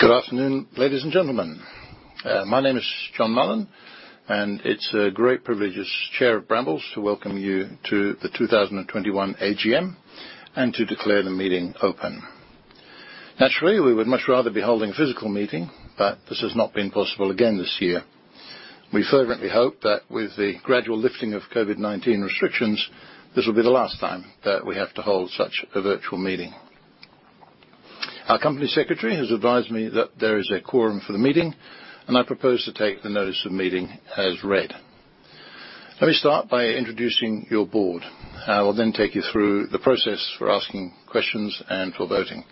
Good afternoon, ladies and gentlemen. My name is John Mullen, and it's a great privilege as Chair of Brambles to welcome you to the 2021 AGM and to declare the meeting open. Naturally, we would much rather be holding a physical meeting. This has not been possible again this year. We fervently hope that with the gradual lifting of COVID-19 restrictions, this will be the last time that we have to hold such a virtual meeting. Our company secretary has advised me that there is a quorum for the meeting. I propose to take the notice of meeting as read. Let me start by introducing your board. I will then take you through the process for asking questions and for voting.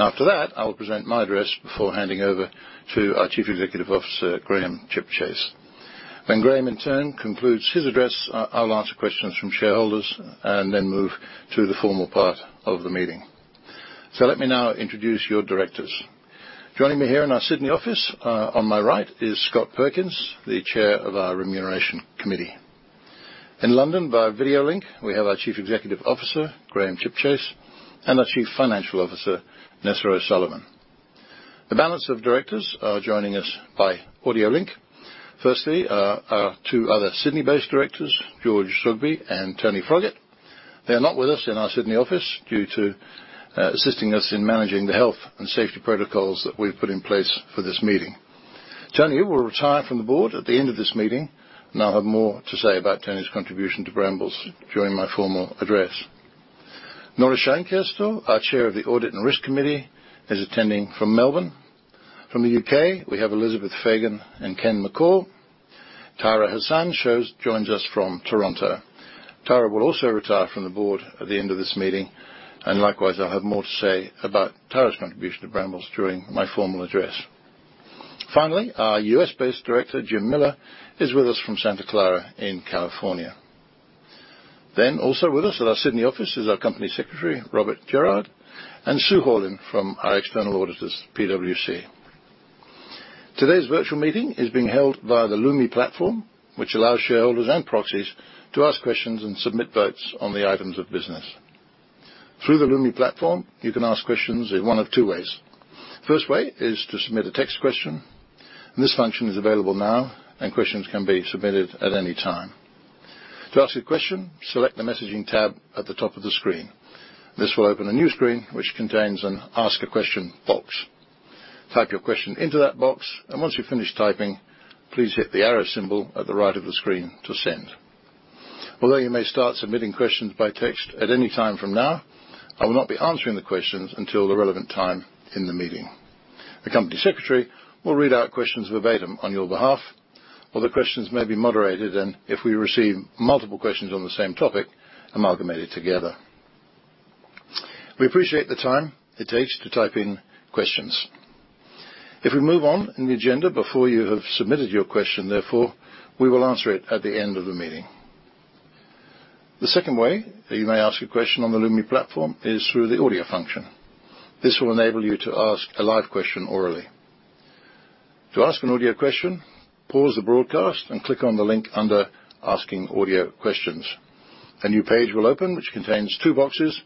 After that, I will present my address before handing over to our Chief Executive Officer, Graham Chipchase. When Graham in turn concludes his address, I'll answer questions from shareholders and then move to the formal part of the meeting. Let me now introduce your directors. Joining me here in our Sydney office, on my right is Scott Perkins, the Chair of our Remuneration Committee. In London via video link, we have our Chief Executive Officer, Graham Chipchase, and our Chief Financial Officer, Nessa O'Sullivan. The balance of directors are joining us by audio link. Firstly, our two other Sydney-based directors, George El-Zoghbi and Tony Froggatt. They are not with us in our Sydney office due to assisting us in managing the health and safety protocols that we've put in place for this meeting. Tony will retire from the board at the end of this meeting, and I'll have more to say about Tony's contribution to Brambles during my formal address. Nora Scheinkestel, our Chair of the Audit & Risk Committee, is attending from Melbourne. From the U.K., we have Elizabeth Fagan and Ken McCall. Tahira Hassan joins us from Toronto. Tahira will also retire from the board at the end of this meeting, and likewise, I'll have more to say about Tahira's contribution to Brambles during my formal address. Finally, our U.S.-based director, Jim Miller, is with us from Santa Clara in California. Also with us at our Sydney office is our Company Secretary, Robert Gerrard, and Sue Horlin from our external auditors, PwC. Today's virtual meeting is being held via the Lumi platform, which allows shareholders and proxies to ask questions and submit votes on the items of business. Through the Lumi platform, you can ask questions in one of two ways. First way is to submit a text question, and this function is available now, and questions can be submitted at any time. To ask a question, select the messaging tab at the top of the screen. This will open a new screen, which contains an ask a question box. Type your question into that box, and once you've finished typing, please hit the arrow symbol at the right of the screen to send. Although you may start submitting questions by text at any time from now, I will not be answering the questions until the relevant time in the meeting. The company secretary will read out questions verbatim on your behalf, or the questions may be moderated, and if we receive multiple questions on the same topic, amalgamated together. We appreciate the time it takes to type in questions. If we move on in the agenda before you have submitted your question, therefore, we will answer it at the end of the meeting. The second way that you may ask a question on the Lumi platform is through the audio function. This will enable you to ask a live question orally. To ask an audio question, pause the broadcast and click on the link under asking audio questions. A new page will open, which contains two boxes,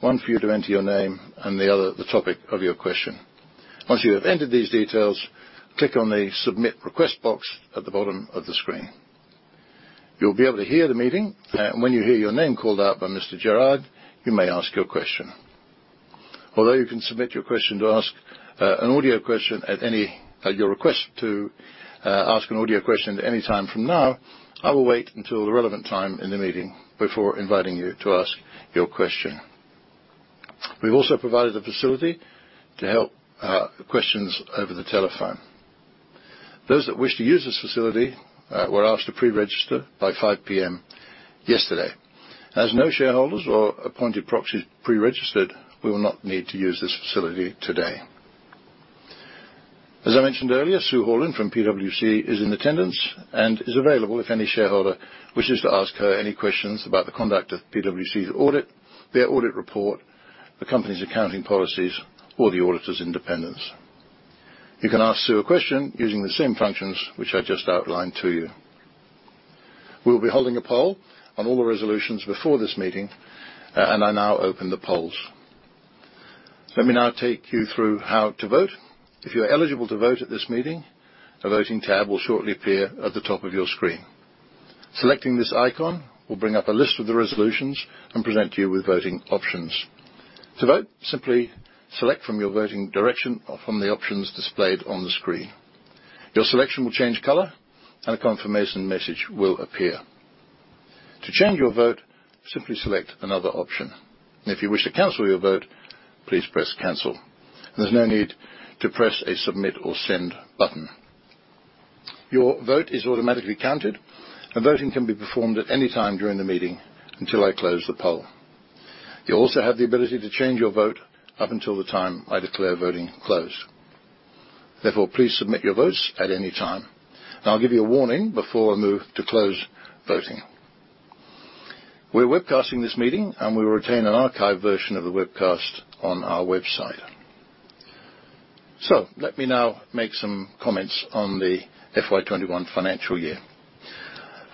one for you to enter your name and the other the topic of your question. Once you have entered these details, click on the submit request box at the bottom of the screen. You'll be able to hear the meeting, and when you hear your name called out by Mr. Gerrard, you may ask your question. Although you can submit your question to ask an audio question at any time from now, I will wait until the relevant time in the meeting before inviting you to ask your question. We've also provided a facility to help questions over the telephone. Those that wish to use this facility were asked to pre-register by 5:00 P.M. yesterday. As no shareholders or appointed proxies pre-registered, we will not need to use this facility today. As I mentioned earlier, Sue Horlin from PwC is in attendance and is available if any shareholder wishes to ask her any questions about the conduct of PwC's audit, their audit report, the company's accounting policies or the auditor's independence. You can ask Sue a question using the same functions which I just outlined to you. We'll be holding a poll on all the resolutions before this meeting. I now open the polls. Let me now take you through how to vote. If you are eligible to vote at this meeting, a voting tab will shortly appear at the top of your screen. Selecting this icon will bring up a list of the resolutions and present you with voting options. To vote, simply select from your voting direction or from the options displayed on the screen. Your selection will change color. A confirmation message will appear. To change your vote, simply select another option. If you wish to cancel your vote, please press cancel. There's no need to press a submit or send button. Your vote is automatically counted. Voting can be performed at any time during the meeting until I close the poll. You also have the ability to change your vote up until the time I declare voting closed. Therefore, please submit your votes at any time. I'll give you a warning before I move to close voting. We're webcasting this meeting, and we will retain an archive version of the webcast on our website. Let me now make some comments on the FY 2021 financial year.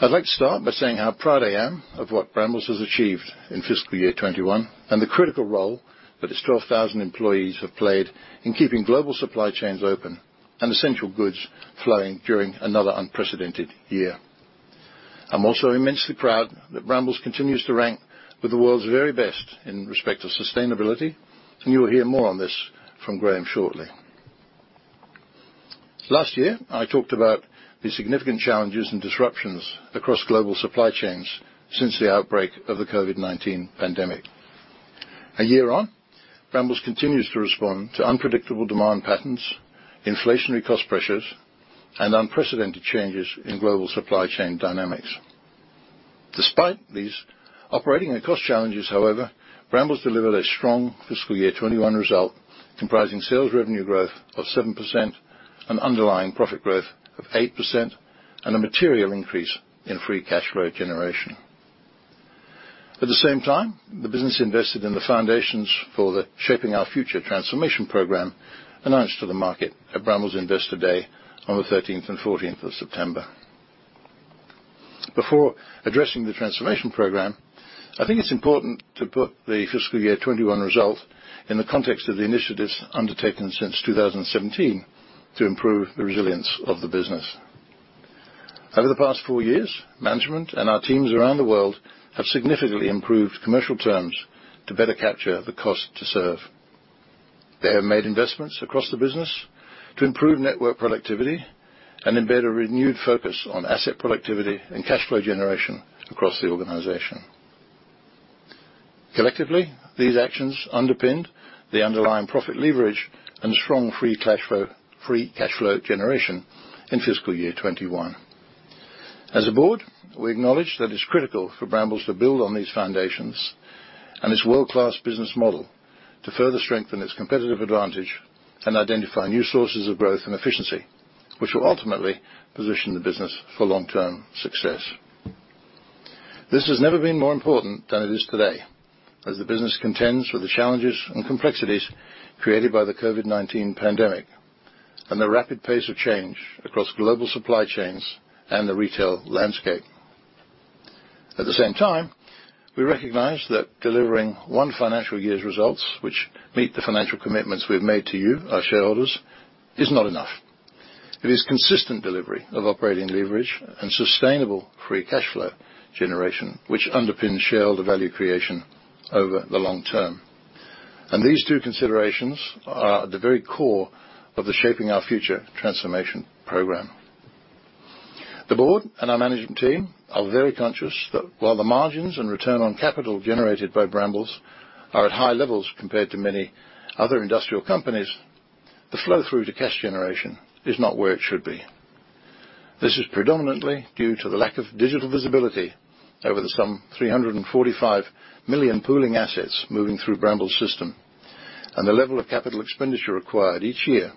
I'd like to start by saying how proud I am of what Brambles has achieved in fiscal year 2021, and the critical role that its 12,000 employees have played in keeping global supply chains open and essential goods flowing during another unprecedented year. I'm also immensely proud that Brambles continues to rank with the world's very best in respect of sustainability, and you will hear more on this from Graham shortly. Last year, I talked about the significant challenges and disruptions across global supply chains since the outbreak of the COVID-19 pandemic. A year on, Brambles continues to respond to unpredictable demand patterns, inflationary cost pressures, and unprecedented changes in global supply chain dynamics. Despite these operating and cost challenges, however, Brambles delivered a strong fiscal year 2021 result comprising sales revenue growth of 7% and underlying profit growth of 8%, and a material increase in free cash flow generation. At the same time, the business invested in the foundations for the Shaping Our Future transformation program announced to the market at Brambles Investor Day on the 13th and 14th of September. Before addressing the transformation program, I think it's important to put the fiscal year 2021 result in the context of the initiatives undertaken since 2017 to improve the resilience of the business. Over the past four years, management and our teams around the world have significantly improved commercial terms to better capture the cost to serve. They have made investments across the business to improve network productivity and embed a renewed focus on asset productivity and cash flow generation across the organization. Collectively, these actions underpinned the underlying profit leverage and strong free cash flow generation in fiscal year 2021. As a board, we acknowledge that it's critical for Brambles to build on these foundations and its world-class business model to further strengthen its competitive advantage and identify new sources of growth and efficiency, which will ultimately position the business for long-term success. This has never been more important than it is today as the business contends with the challenges and complexities created by the COVID-19 pandemic and the rapid pace of change across global supply chains and the retail landscape. At the same time, we recognize that delivering one financial year's results, which meet the financial commitments we've made to you, our shareholders, is not enough. It is consistent delivery of operating leverage and sustainable free cash flow generation, which underpins shareholder value creation over the long term. These two considerations are at the very core of the Shaping Our Future transformation program. The board and our management team are very conscious that while the margins and return on capital generated by Brambles are at high levels compared to many other industrial companies, the flow-through to cash generation is not where it should be. This is predominantly due to the lack of digital visibility over the some 345 million pooling assets moving through Brambles system, and the level of capital expenditure required each year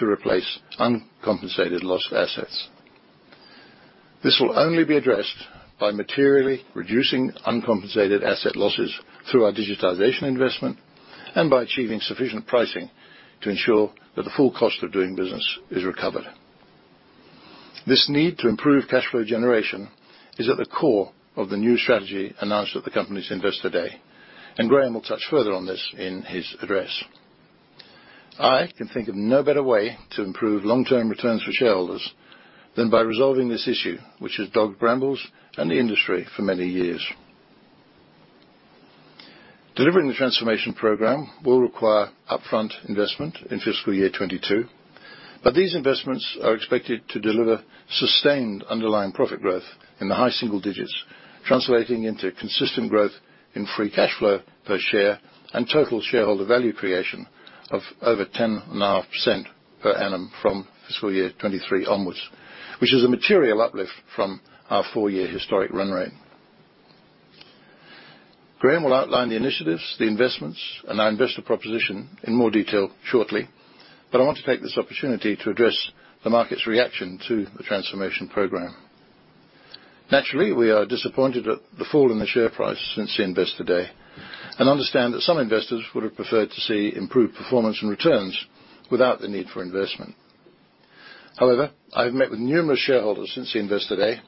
to replace uncompensated loss of assets. This will only be addressed by materially reducing uncompensated asset losses through our digitization investment and by achieving sufficient pricing to ensure that the full cost of doing business is recovered. This need to improve cash flow generation is at the core of the new strategy announced at the company's investor day, and Graham will touch further on this in his address. I can think of no better way to improve long-term returns for shareholders than by resolving this issue, which has dogged Brambles and the industry for many years. Delivering the transformation program will require upfront investment in fiscal year 2022, but these investments are expected to deliver sustained underlying profit growth in the high single digits, translating into consistent growth in free cash flow per share and total shareholder value creation of over 10.5% per annum from fiscal year 2023 onwards, which is a material uplift from our four-year historic run rate. Graham will outline the initiatives, the investments, and our investor proposition in more detail shortly, but I want to take this opportunity to address the market's reaction to the transformation program. Naturally, we are disappointed at the fall in the share price since the Investor Day, and understand that some investors would have preferred to see improved performance and returns without the need for investment. However, I've met with numerous shareholders since the Investor Day,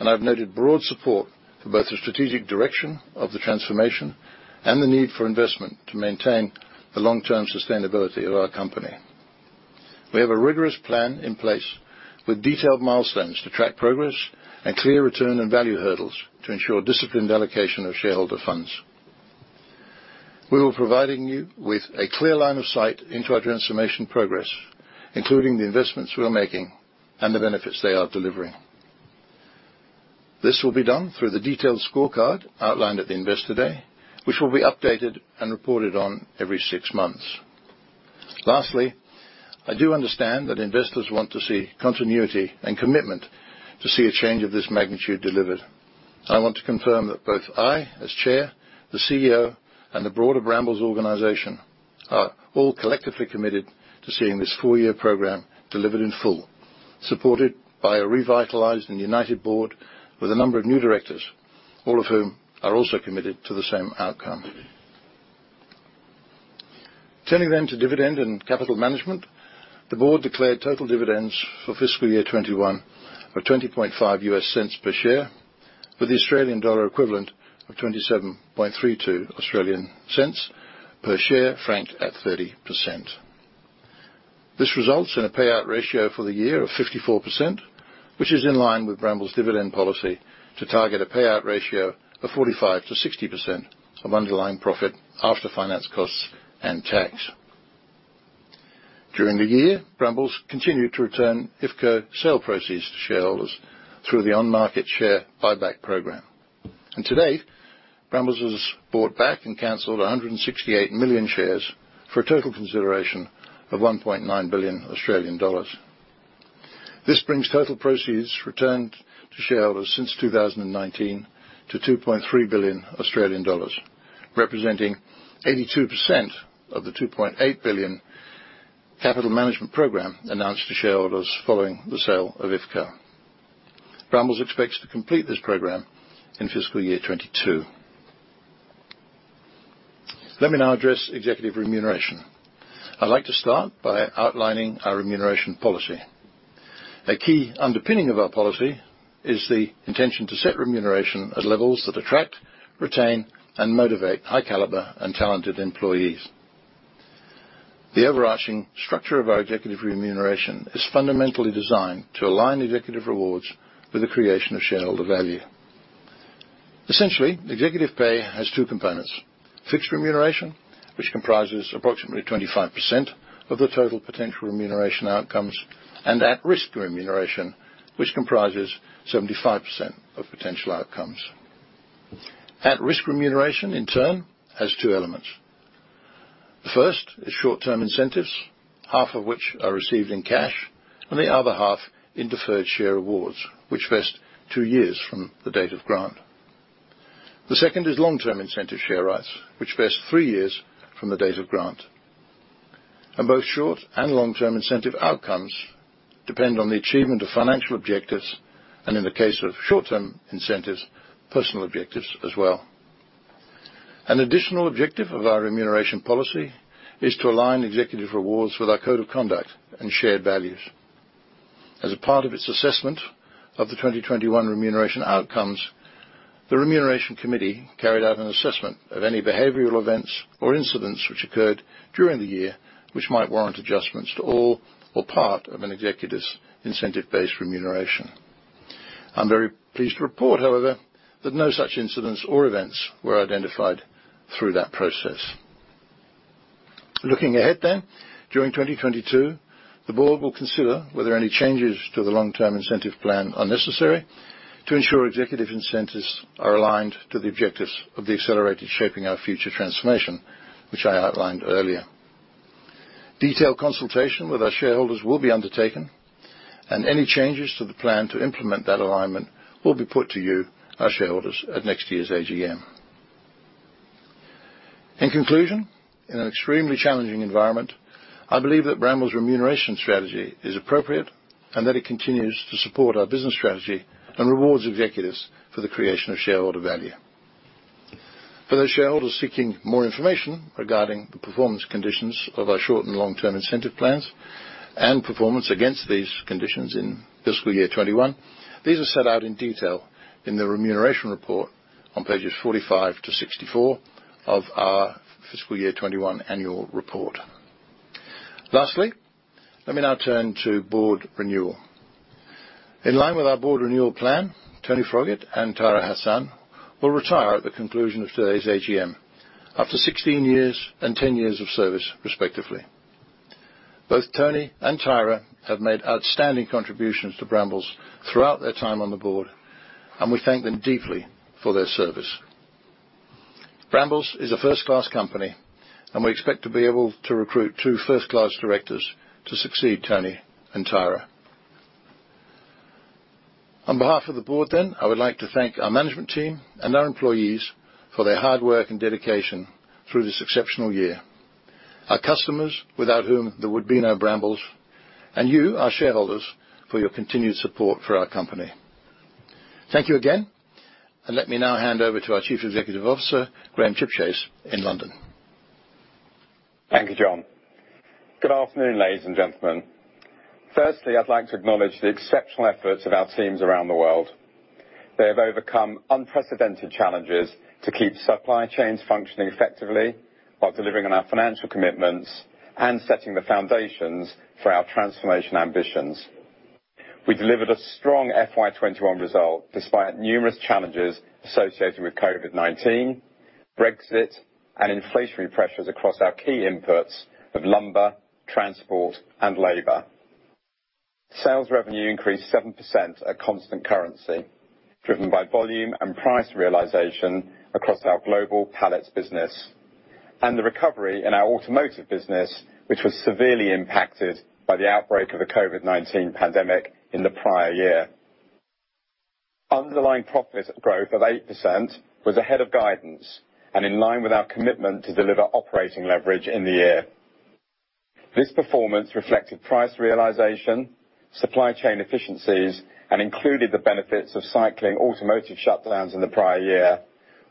and I've noted broad support for both the strategic direction of the Transformation and the need for investment to maintain the long-term sustainability of our company. We have a rigorous plan in place with detailed milestones to track progress and clear return and value hurdles to ensure disciplined allocation of shareholder funds. We will be providing you with a clear line of sight into our Transformation progress, including the investments we are making and the benefits they are delivering. This will be done through the detailed scorecard outlined at the Investor Day, which will be updated and reported on every six months. Lastly, I do understand that investors want to see continuity and commitment to see a change of this magnitude delivered. I want to confirm that both I as Chairman, the CEO, and the broader Brambles organization are all collectively committed to seeing this four-year program delivered in full. Supported by a revitalized and united Board with a number of new Directors, all of whom are also committed to the same outcome. Turning to dividend and capital management. The Board declared total dividends for fiscal year 2021 of $0.205 per share, with the Australian dollar equivalent of 0.2732 per share, franked at 30%. This results in a payout ratio for the year of 54%, which is in line with Brambles' dividend policy to target a payout ratio of 45%-60% of underlying profit after finance costs and tax. During the year, Brambles continued to return IFCO sale proceeds to shareholders through the on-market share buyback program. To-date, Brambles has bought back and canceled 168 million shares for a total consideration of 1.9 billion Australian dollars. This brings total proceeds returned to shareholders since 2019 to 2.3 billion Australian dollars, representing 82% of the 2.8 billion capital management program announced to shareholders following the sale of IFCO. Brambles expects to complete this program in fiscal year 2022. Let me now address executive remuneration. I'd like to start by outlining our remuneration policy. A key underpinning of our policy is the intention to set remuneration at levels that attract, retain, and motivate high caliber and talented employees. The overarching structure of our executive remuneration is fundamentally designed to align executive rewards with the creation of shareholder value. Essentially, executive pay has two components: fixed remuneration, which comprises approximately 25% of the total potential remuneration outcomes, and at risk remuneration, which comprises 75% of potential outcomes. At risk remuneration, in turn, has two elements. The first is short-term incentives, half of which are received in cash, and the other half in deferred share awards, which vest two years from the date of grant. The second is long-term incentive share rights, which vest three years from the date of grant. Both short and long-term incentive outcomes depend on the achievement of financial objectives, and in the case of short-term incentives, personal objectives as well. An additional objective of our remuneration policy is to align executive rewards with our code of conduct and shared values. As a part of its assessment of the 2021 remuneration outcomes, the Remuneration Committee carried out an assessment of any behavioral events or incidents which occurred during the year, which might warrant adjustments to all or part of an executive's incentive-based remuneration. I'm very pleased to report, however, that no such incidents or events were identified through that process. Looking ahead, during 2022, the board will consider whether any changes to the long-term incentive plan are necessary to ensure executive incentives are aligned to the objectives of the accelerated Shaping Our Future transformation, which I outlined earlier. Detailed consultation with our shareholders will be undertaken, and any changes to the plan to implement that alignment will be put to you, our shareholders, at next year's AGM. In conclusion, in an extremely challenging environment, I believe that Brambles' remuneration strategy is appropriate and that it continues to support our business strategy and rewards executives for the creation of shareholder value. For those shareholders seeking more information regarding the performance conditions of our short and long-term incentive plans and performance against these conditions in fiscal year 2021, these are set out in detail in the remuneration report on pages 45-64 of our fiscal year 2021 annual report. Lastly, let me now turn to board renewal. In line with our board renewal plan, Tony Froggatt and Tahira Hassan will retire at the conclusion of today's AGM after 16 years and 10 years of service, respectively. Both Tony and Tahira have made outstanding contributions to Brambles throughout their time on the board, and we thank them deeply for their service. Brambles is a first-class company, and we expect to be able to recruit two first-class directors to succeed Tony and Tahira. On behalf of the board, I would like to thank our management team and our employees for their hard work and dedication through this exceptional year, our customers, without whom there would be no Brambles, and you, our shareholders, for your continued support for our company. Thank you again, and let me now hand over to our Chief Executive Officer, Graham Chipchase, in London. Thank you, John. Good afternoon, ladies and gentlemen. I'd like to acknowledge the exceptional efforts of our teams around the world. They have overcome unprecedented challenges to keep supply chains functioning effectively while delivering on our financial commitments and setting the foundations for our transformation ambitions. We delivered a strong FY 2021 result despite numerous challenges associated with COVID-19, Brexit, and inflationary pressures across our key inputs of lumber, transport, and labor. Sales revenue increased 7% at constant currency, driven by volume and price realization across our global pallets business and the recovery in our automotive business, which was severely impacted by the outbreak of the COVID-19 pandemic in the prior year. Underlying profit growth of 8% was ahead of guidance and in line with our commitment to deliver operating leverage in the year. This performance reflected price realization, supply chain efficiencies, and included the benefits of cycling automotive shutdowns in the prior year,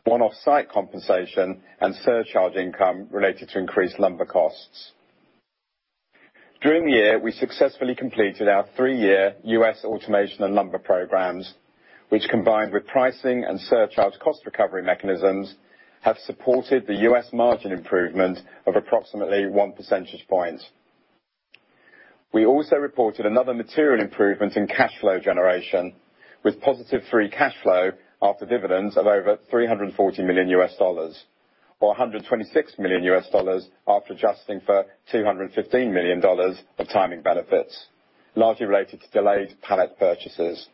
one-off site compensation, and surcharge income related to increased lumber costs. During the year, we successfully completed our three-year U.S. automation and lumber programs, which, combined with pricing and surcharge cost recovery mechanisms, have supported the U.S. margin improvement of approximately one percentage point. We also reported another material improvement in cash flow generation, with positive free cash flow after dividends of over $340 million U.S. dollars or $126 million U.S. dollars after adjusting for $215 million of timing benefits, largely related to delayed pallet purchases.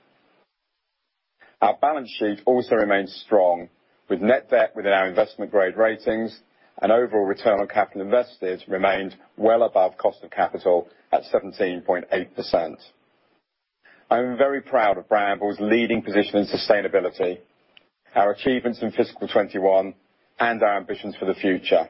Our balance sheet also remains strong, with net debt within our investment-grade ratings and overall return on capital invested remained well above cost of capital at 17.8%. I'm very proud of Brambles' leading position in sustainability, our achievements in fiscal 2021, and our ambitions for the future.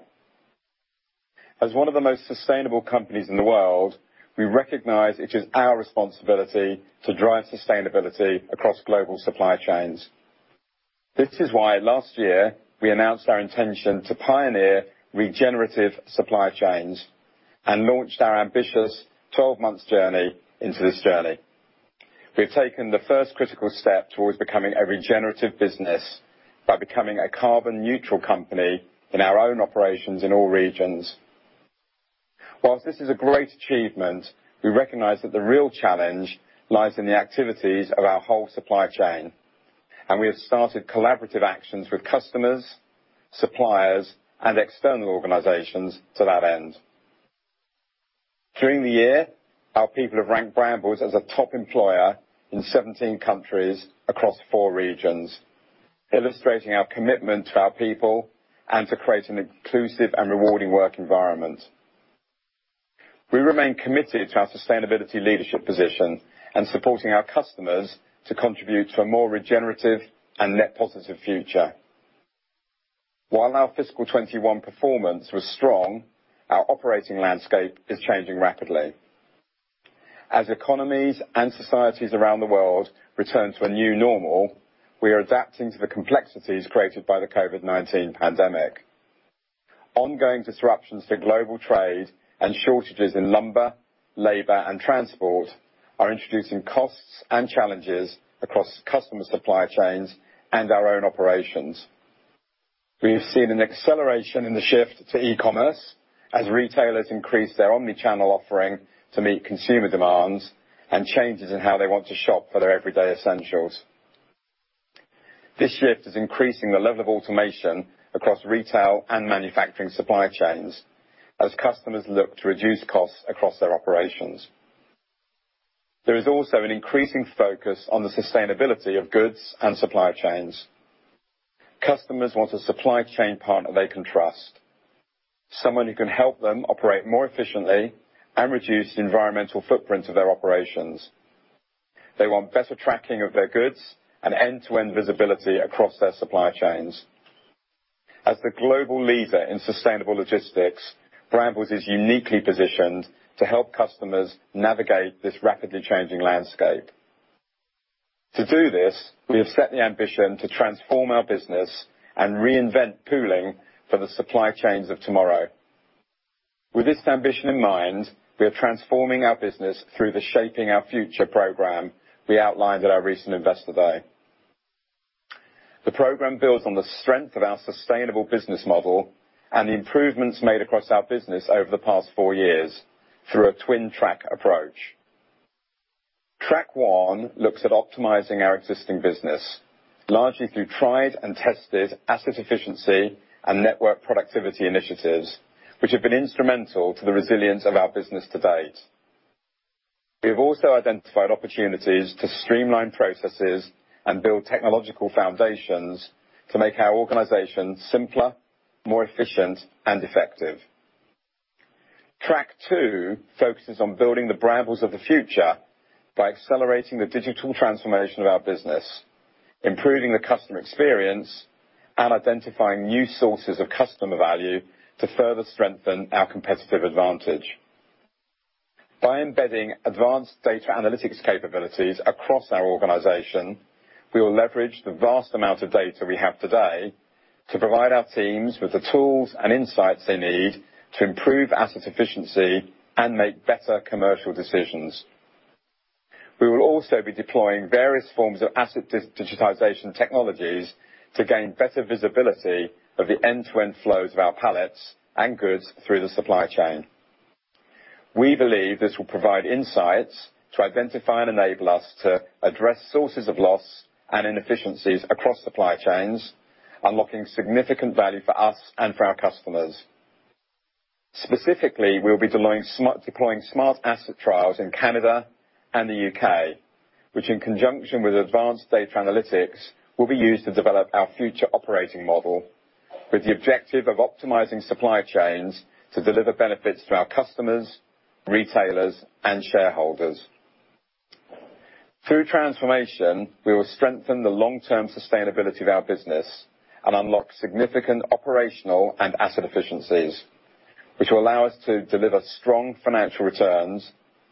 As one of the most sustainable companies in the world, we recognize it is our responsibility to drive sustainability across global supply chains. This is why last year we announced our intention to pioneer regenerative supply chains and launched our ambitious 12-month journey into this journey. We have taken the first critical step towards becoming a regenerative business by becoming a carbon neutral company in our own operations in all regions. Whilst this is a great achievement, we recognize that the real challenge lies in the activities of our whole supply chain, and we have started collaborative actions with customers, suppliers, and external organizations to that end. During the year, our people have ranked Brambles as a top employer in 17 countries across four regions, illustrating our commitment to our people and to create an inclusive and rewarding work environment. We remain committed to our sustainability leadership position and supporting our customers to contribute to a more regenerative and net positive future. While our fiscal 2021 performance was strong, our operating landscape is changing rapidly. As economies and societies around the world return to a new normal, we are adapting to the complexities created by the COVID-19 pandemic. Ongoing disruptions to global trade and shortages in lumber, labor, and transport are introducing costs and challenges across customer supply chains and our own operations. We have seen an acceleration in the shift to e-commerce as retailers increase their omnichannel offering to meet consumer demands and changes in how they want to shop for their everyday essentials. This shift is increasing the level of automation across retail and manufacturing supply chains as customers look to reduce costs across their operations. There is also an increasing focus on the sustainability of goods and supply chains. Customers want a supply chain partner they can trust, someone who can help them operate more efficiently and reduce the environmental footprint of their operations. They want better tracking of their goods and end-to-end visibility across their supply chains. As the global leader in sustainable logistics, Brambles is uniquely positioned to help customers navigate this rapidly changing landscape. To do this, we have set the ambition to transform our business and reinvent pooling for the supply chains of tomorrow. With this ambition in mind, we are transforming our business through the Shaping Our Future program we outlined at our recent Investor Day. The program builds on the strength of our sustainable business model and the improvements made across our business over the past four years through a twin-track approach. Track one looks at optimizing our existing business, largely through tried and tested asset efficiency and network productivity initiatives, which have been instrumental to the resilience of our business to-date. We have also identified opportunities to streamline processes and build technological foundations to make our organization simpler, more efficient, and effective. Track two focuses on building the Brambles of the future by accelerating the digital transformation of our business, improving the customer experience, and identifying new sources of customer value to further strengthen our competitive advantage. By embedding advanced data analytics capabilities across our organization, we will leverage the vast amount of data we have today to provide our teams with the tools and insights they need to improve asset efficiency and make better commercial decisions. We will also be deploying various forms of asset digitization technologies to gain better visibility of the end-to-end flows of our pallets and goods through the supply chain. We believe this will provide insights to identify and enable us to address sources of loss and inefficiencies across supply chains, unlocking significant value for us and for our customers. Specifically, we'll be deploying smart asset trials in Canada and the U.K., which in conjunction with advanced data analytics, will be used to develop our future operating model. With the objective of optimizing supply chains to deliver benefits to our customers, retailers, and shareholders. Through transformation, we will strengthen the long-term sustainability of our business and unlock significant operational and asset efficiencies, which will allow us to deliver strong financial returns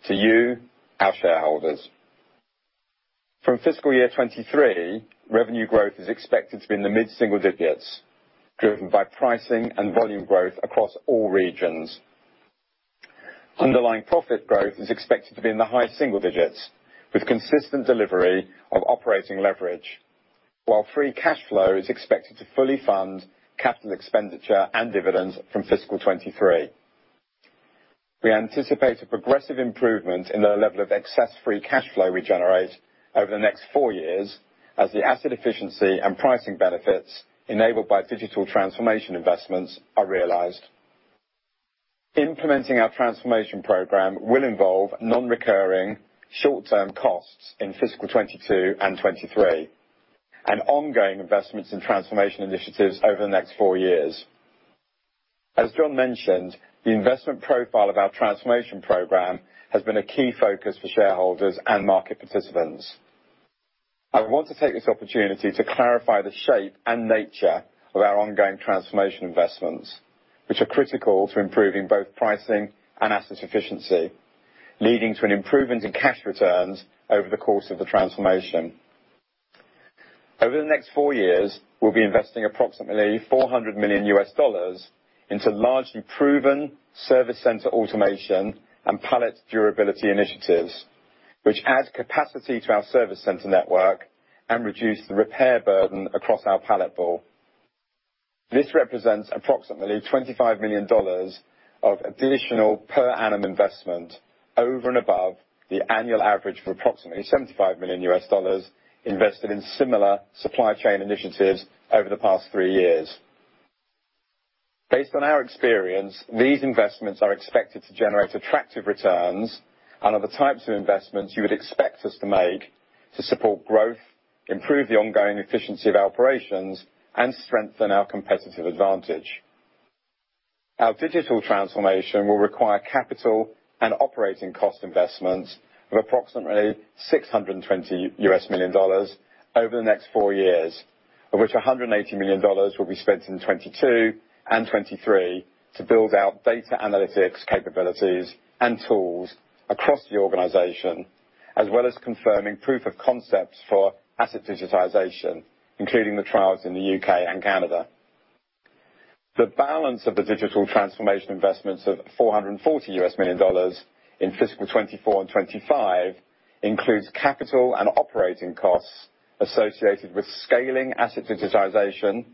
to you, our shareholders. From fiscal year 2023, revenue growth is expected to be in the mid-single digits, driven by pricing and volume growth across all regions. Underlying profit growth is expected to be in the high single digits, with consistent delivery of operating leverage, while free cash flow is expected to fully fund capital expenditure and dividends from fiscal 2023. We anticipate a progressive improvement in the level of excess free cash flow we generate over the next four years as the asset efficiency and pricing benefits enabled by digital transformation investments are realized. Implementing our transformation program will involve non-recurring short-term costs in fiscal 2022 and 2023, and ongoing investments in transformation initiatives over the next four years. As John mentioned, the investment profile of our transformation program has been a key focus for shareholders and market participants. I want to take this opportunity to clarify the shape and nature of our ongoing transformation investments, which are critical to improving both pricing and asset efficiency, leading to an improvement in cash returns over the course of the transformation. Over the next four years, we'll be investing approximately $400 million into largely proven service center automation and pallet durability initiatives, which add capacity to our service center network and reduce the repair burden across our pallet pool. This represents approximately $25 million of additional per annum investment over and above the annual average of approximately $75 million invested in similar supply chain initiatives over the past three years. Based on our experience, these investments are expected to generate attractive returns and are the types of investments you would expect us to make to support growth, improve the ongoing efficiency of our operations, and strengthen our competitive advantage. Our digital transformation will require capital and operating cost investments of approximately $620 million over the next four years, of which $180 million will be spent in 2022 and 2023 to build out data analytics capabilities and tools across the organization, as well as confirming proof of concepts for asset digitization, including the trials in the U.K. and Canada. The balance of the digital transformation investments of $440 million in fiscal 2024 and 2025 includes capital and operating costs associated with scaling asset digitization,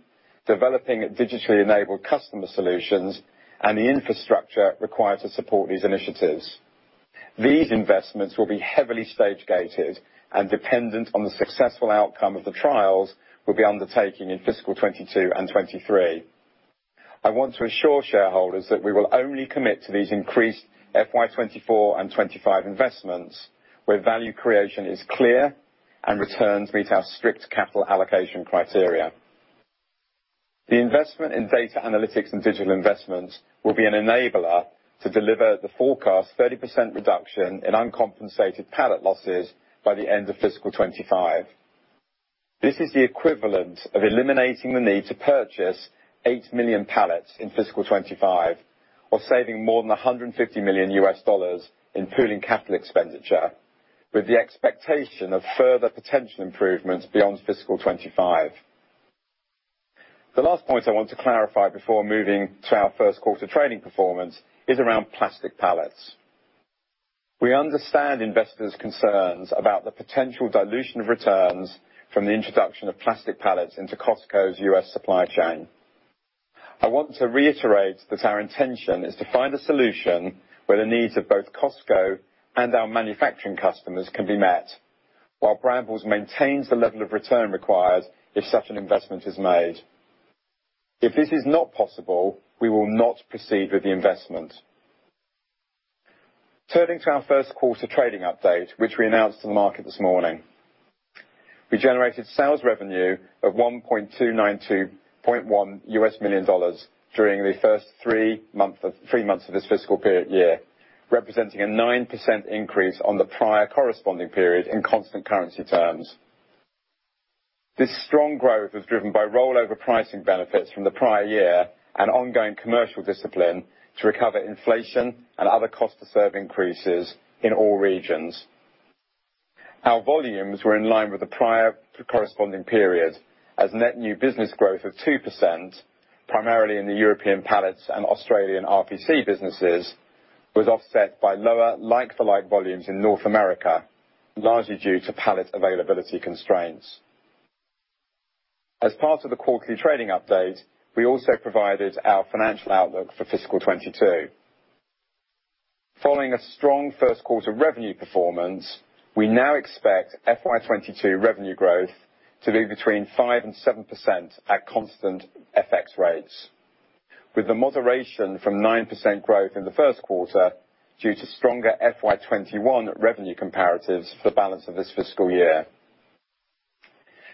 developing digitally enabled customer solutions, and the infrastructure required to support these initiatives. These investments will be heavily stage-gated and dependent on the successful outcome of the trials we'll be undertaking in fiscal 2022 and 2023. I want to assure shareholders that we will only commit to these increased FY 2024 and 2025 investments where value creation is clear and returns meet our strict capital allocation criteria. The investment in data analytics and digital investments will be an enabler to deliver the forecast 30% reduction in uncompensated pallet losses by the end of fiscal 2025. This is the equivalent of eliminating the need to purchase 8 million pallets in fiscal 2025 or saving more than $150 million in pooling capital expenditure with the expectation of further potential improvements beyond fiscal 2025. The last point I want to clarify before moving to our first quarter trading performance is around plastic pallets. We understand investors' concerns about the potential dilution of returns from the introduction of plastic pallets into Costco's U.S. supply chain. I want to reiterate that our intention is to find a solution where the needs of both Costco and our manufacturing customers can be met while Brambles maintains the level of return required if such an investment is made. If this is not possible, we will not proceed with the investment. Turning to our first quarter trading update, which we announced to the market this morning. We generated sales revenue of $1.2921 million during the first three months of this fiscal period year, representing a 9% increase on the prior corresponding period in constant currency terms. This strong growth was driven by rollover pricing benefits from the prior year and ongoing commercial discipline to recover inflation and other cost-to-serve increases in all regions. Our volumes were in line with the prior corresponding period as net new business growth of 2%, primarily in the European pallets and Australian RPC businesses, was offset by lower like-for-like volumes in North America, largely due to pallet availability constraints. As part of the quarterly trading update, we also provided our financial outlook for FY 2022. Following a strong first quarter revenue performance, we now expect FY 2022 revenue growth to be between 5%-7% at constant FX rates. With the moderation from 9% growth in the first quarter due to stronger FY 2021 revenue comparatives for the balance of this fiscal year.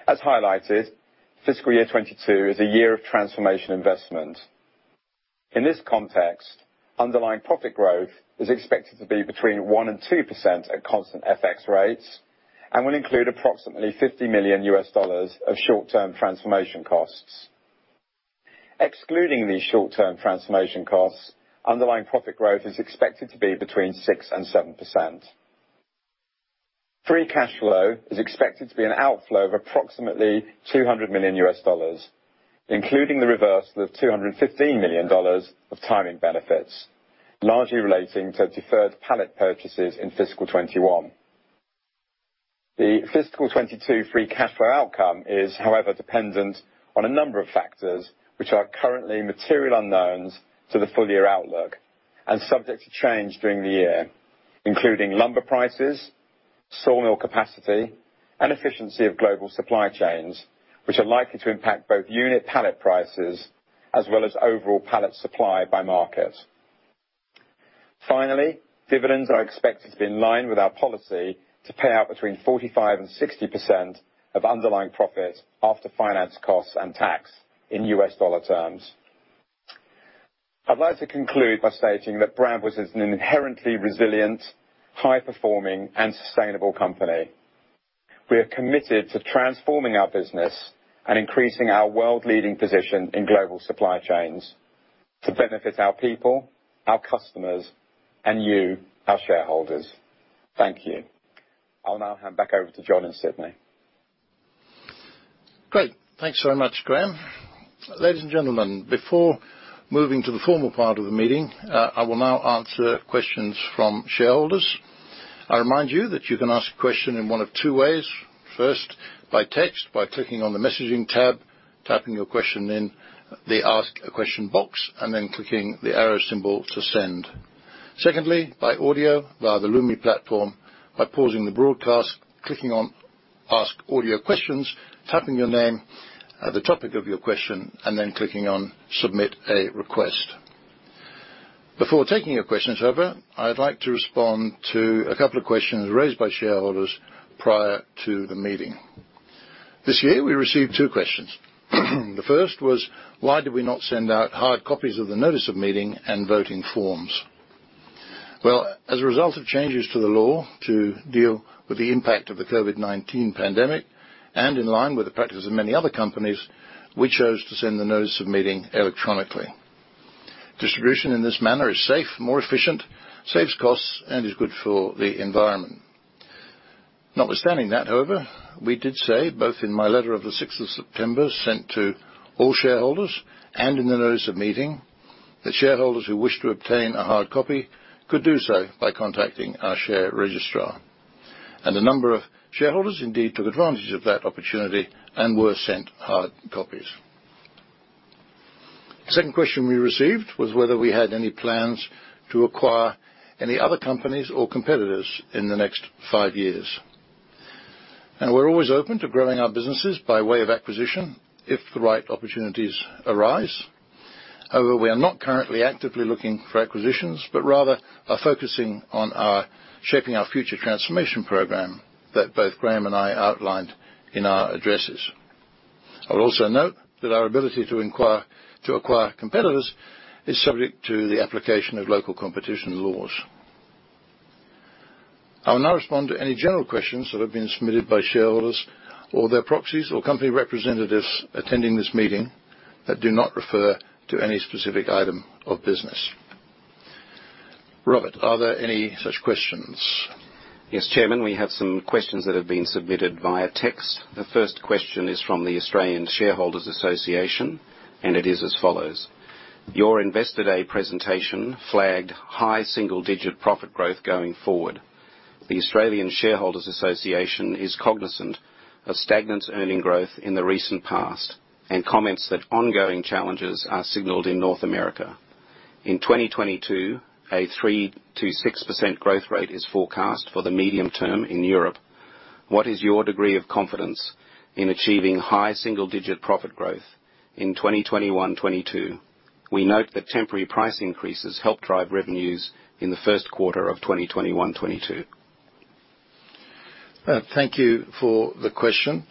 As highlighted, FY 2022 is a year of transformation investment. In this context, underlying profit growth is expected to be between 1%-2% at constant FX rates and will include approximately $50 million of short-term transformation costs. Excluding these short-term transformation costs, underlying profit growth is expected to be between 6%-7%. Free cash flow is expected to be an outflow of approximately $200 million, including the reverse of the $215 million of timing benefits, largely relating to deferred pallet purchases in fiscal 2021. The fiscal 2022 free cash flow outcome is, however, dependent on a number of factors which are currently material unknowns to the full-year outlook and subject to change during the year, including lumber prices, sawmill capacity, and efficiency of global supply chains, which are likely to impact both unit pallet prices as well as overall pallet supply by market. Finally, dividends are expected to be in line with our policy to pay out between 45%-60% of underlying profit after finance costs and tax in U.S. dollar terms. I'd like to conclude by stating that Brambles is an inherently resilient, high-performing, and sustainable company. We are committed to transforming our business and increasing our world-leading position in global supply chains to benefit our people, our customers, and you, our shareholders. Thank you. I'll now hand back over to John and Sydney. Great. Thanks very much, Graham. Ladies and gentlemen, before moving to the formal part of the meeting, I will now answer questions from shareholders. I remind you that you can ask a question in one of two ways. First, by text, by clicking on the messaging tab, typing your question in the ask a question box, and then clicking the arrow symbol to send. Secondly, by audio via the Lumi platform, by pausing the broadcast, clicking on ask audio questions, typing your name, the topic of your question, and then clicking on submit a request. Before taking your questions, however, I'd like to respond to a couple of questions raised by shareholders prior to the meeting. This year we received two questions. The first was, why did we not send out hard copies of the notice of meeting and voting forms? Well, as a result of changes to the law to deal with the impact of the COVID-19 pandemic, and in line with the practices of many other companies, we chose to send the notice of meeting electronically. Distribution in this manner is safe, more efficient, saves costs, and is good for the environment. Notwithstanding that, however, we did say, both in my letter of the 6th of September sent to all shareholders, and in the notice of meeting, that shareholders who wished to obtain a hard copy could do so by contacting our share registrar. A number of shareholders indeed took advantage of that opportunity and were sent hard copies. Second question we received was whether we had any plans to acquire any other companies or competitors in the next five years. Now, we're always open to growing our businesses by way of acquisition if the right opportunities arise. However, we are not currently actively looking for acquisitions, but rather are focusing on our Shaping Our Future transformation program that both Graham and I outlined in our addresses. I would also note that our ability to acquire competitors is subject to the application of local competition laws. I will now respond to any general questions that have been submitted by shareholders or their proxies or company representatives attending this meeting that do not refer to any specific item of business. Robert, are there any such questions? Yes, Chairman, we have some questions that have been submitted via text. The first question is from the Australian Shareholders' Association. It is as follows. Your Investor Day presentation flagged high single-digit profit growth going forward. The Australian Shareholders' Association is cognizant of stagnant earning growth in the recent past and comments that ongoing challenges are signaled in North America. In 2022, a 3%-6% growth rate is forecast for the medium term in Europe. What is your degree of confidence in achieving high single-digit profit growth in 2021, 2022? We note that temporary price increases helped drive revenues in the first quarter of 2021, 2022. Thank you for the question.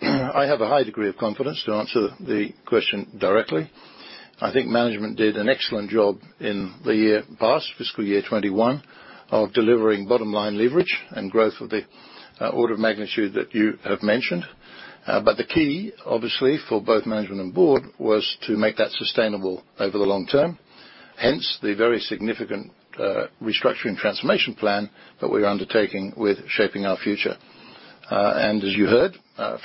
I have a high degree of confidence to answer the question directly. I think management did an excellent job in the year past, FY 2021, of delivering bottom-line leverage and growth of the order of magnitude that you have mentioned. The key, obviously, for both management and board, was to make that sustainable over the long term, hence the very significant restructuring transformation plan that we're undertaking with Shaping Our Future. As you heard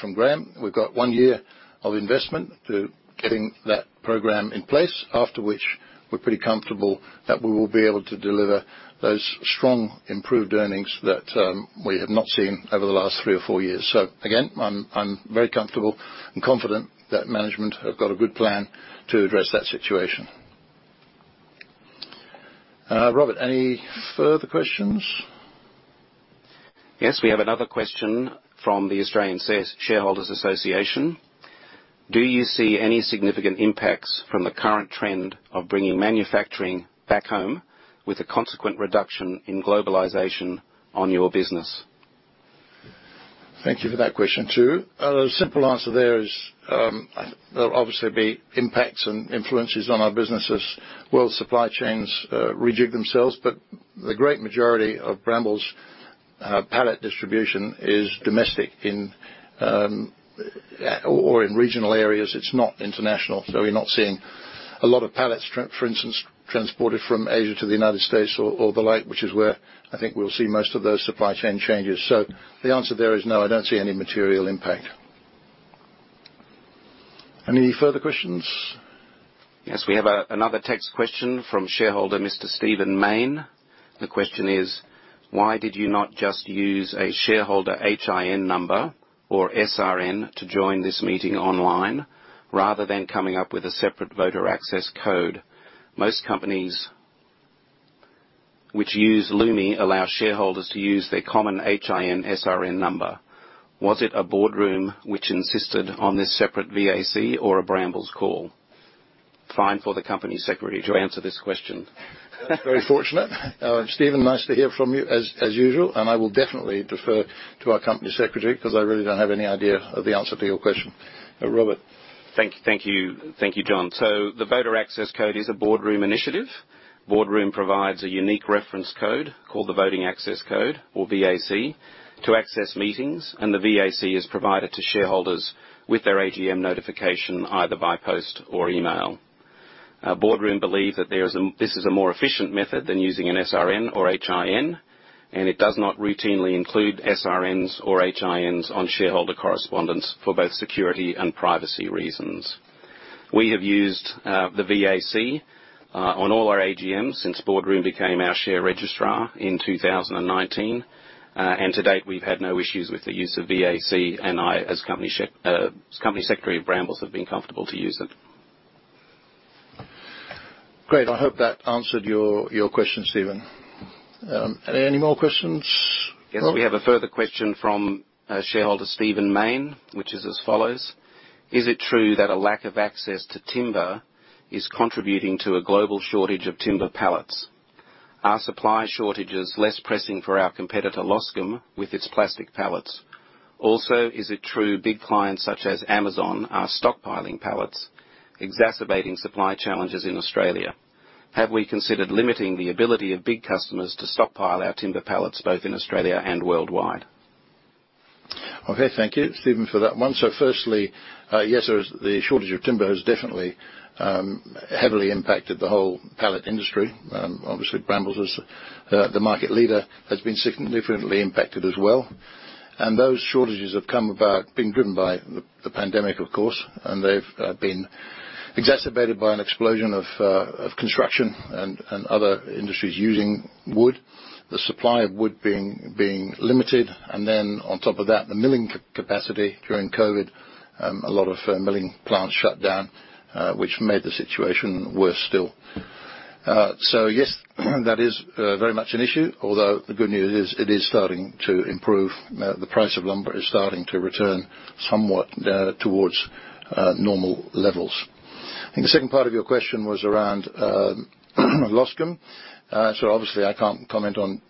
from Graham, we've got one year of investment to getting that program in place, after which we're pretty comfortable that we will be able to deliver those strong improved earnings that we have not seen over the last three or four years. Again, I'm very comfortable and confident that management have got a good plan to address that situation. Robert, any further questions? Yes. We have another question from the Australian Shareholders' Association. Do you see any significant impacts from the current trend of bringing manufacturing back home with a consequent reduction in globalization on your business? Thank you for that question, too. A simple answer there is, there'll obviously be impacts and influences on our business as world supply chains rejig themselves. The great majority of Brambles' pallet distribution is domestic or in regional areas. It's not international. We're not seeing a lot of pallets, for instance, transported from Asia to the United States or the like, which is where I think we'll see most of those supply chain changes. The answer there is no, I don't see any material impact. Any further questions? Yes. We have another text question from shareholder Mr. Stephen Mayne. The question is: Why did you not just use a shareholder HIN number or SRN to join this meeting online rather than coming up with a separate voter access code? Most companies which use Lumi allow shareholders to use their common HIN, SRN number. Was it a Boardroom which insisted on this separate VAC or a Brambles call? Fine for the company secretary to answer this question. That's very fortunate. Stephen, nice to hear from you as usual. I will definitely defer to our Company Secretary because I really don't have any idea of the answer to your question. Robert. Thank you, John. The voter access code is a Boardroom initiative. Boardroom provides a unique reference code called the Voting Access Code, or VAC, to access meetings, and the VAC is provided to shareholders with their AGM notification, either by post or email. Boardroom believe that this is a more efficient method than using an SRN or HIN, and it does not routinely include SRNs or HINs on shareholder correspondence for both security and privacy reasons. We have used the VAC on all our AGMs since Boardroom became our share registrar in 2019. To-date, we've had no issues with the use of VAC, and I, as company secretary of Brambles, have been comfortable to use it. Great. I hope that answered your question, Stephen. Are there any more questions, Robert? Yes. We have a further question from shareholder Stephen Mayne, which is as follows: Is it true that a lack of access to timber is contributing to a global shortage of timber pallets? Are supply shortages less pressing for our competitor, Loscam, with its plastic pallets? Is it true big clients such as Amazon are stockpiling pallets, exacerbating supply challenges in Australia? Have we considered limiting the ability of big customers to stockpile our timber pallets, both in Australia and worldwide? Thank you, Stephen, for that one. Firstly, yes, the shortage of timber has definitely heavily impacted the whole pallet industry. Obviously, Brambles as the market leader has been significantly impacted as well. Those shortages have been driven by the pandemic, of course, and they've been exacerbated by an explosion of construction and other industries using wood. The supply of wood being limited, then on top of that, the milling capacity during COVID, a lot of milling plants shut down, which made the situation worse still. Yes, that is very much an issue, although the good news is it is starting to improve. The price of lumber is starting to return somewhat towards normal levels. I think the second part of your question was around Loscam. Obviously, I can't comment on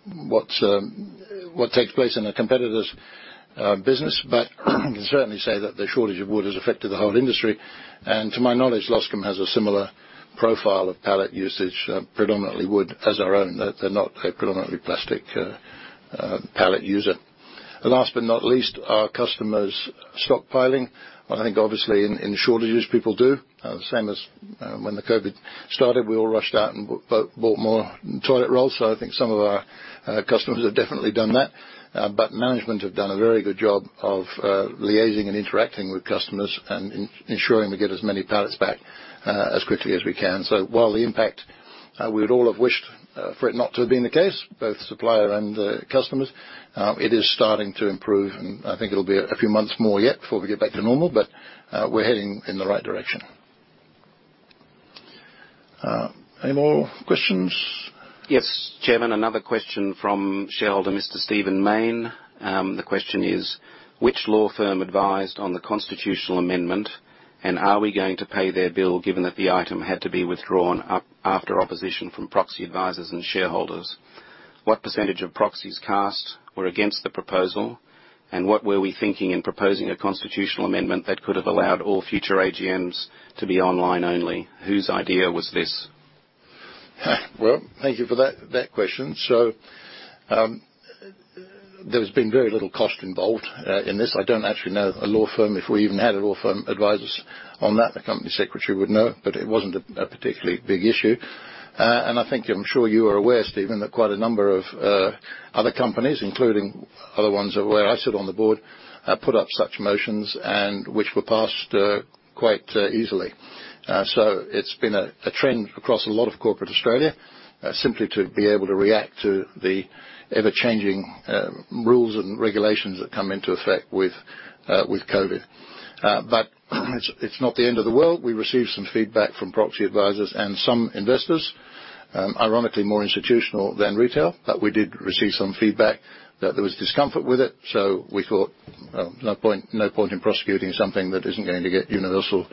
what takes place in a competitor's business, but I can certainly say that the shortage of wood has affected the whole industry. To my knowledge, Loscam has a similar profile of pallet usage, predominantly wood, as our own. They're not a predominantly plastic pallet user. Last but not least, are customers stockpiling? I think obviously in shortages, people do. The same as when the COVID started, we all rushed out and bought more toilet roll. I think some of our customers have definitely done that. Management have done a very good job of liaising and interacting with customers and ensuring we get as many pallets back as quickly as we can. While the impact, we would all have wished for it not to have been the case, both supplier and customers, it is starting to improve, and I think it'll be a few months more yet before we get back to normal, but we're heading in the right direction. Any more questions? Yes, Chairman. Another question from shareholder Mr. Stephen Mayne. The question is: Which law firm advised on the constitutional amendment, and are we going to pay their bill given that the item had to be withdrawn after opposition from proxy advisors and shareholders? What percentage of proxies cast were against the proposal, and what were we thinking in proposing a constitutional amendment that could have allowed all future AGMs to be online only? Whose idea was this? Thank you for that question. There's been very little cost involved in this. I don't actually know a law firm, if we even had a law firm advise us on that. The company secretary would know. It wasn't a particularly big issue. I think, I'm sure you are aware, Stephen, that quite a number of other companies, including other ones where I sit on the board, put up such motions and which were passed quite easily. It's been a trend across a lot of corporate Australia simply to be able to react to the ever-changing rules and regulations that come into effect with COVID. It's not the end of the world. We received some feedback from proxy advisors and some investors. Ironically, more institutional than retail, we did receive some feedback that there was discomfort with it, so we thought, no point in prosecuting something that isn't going to get universal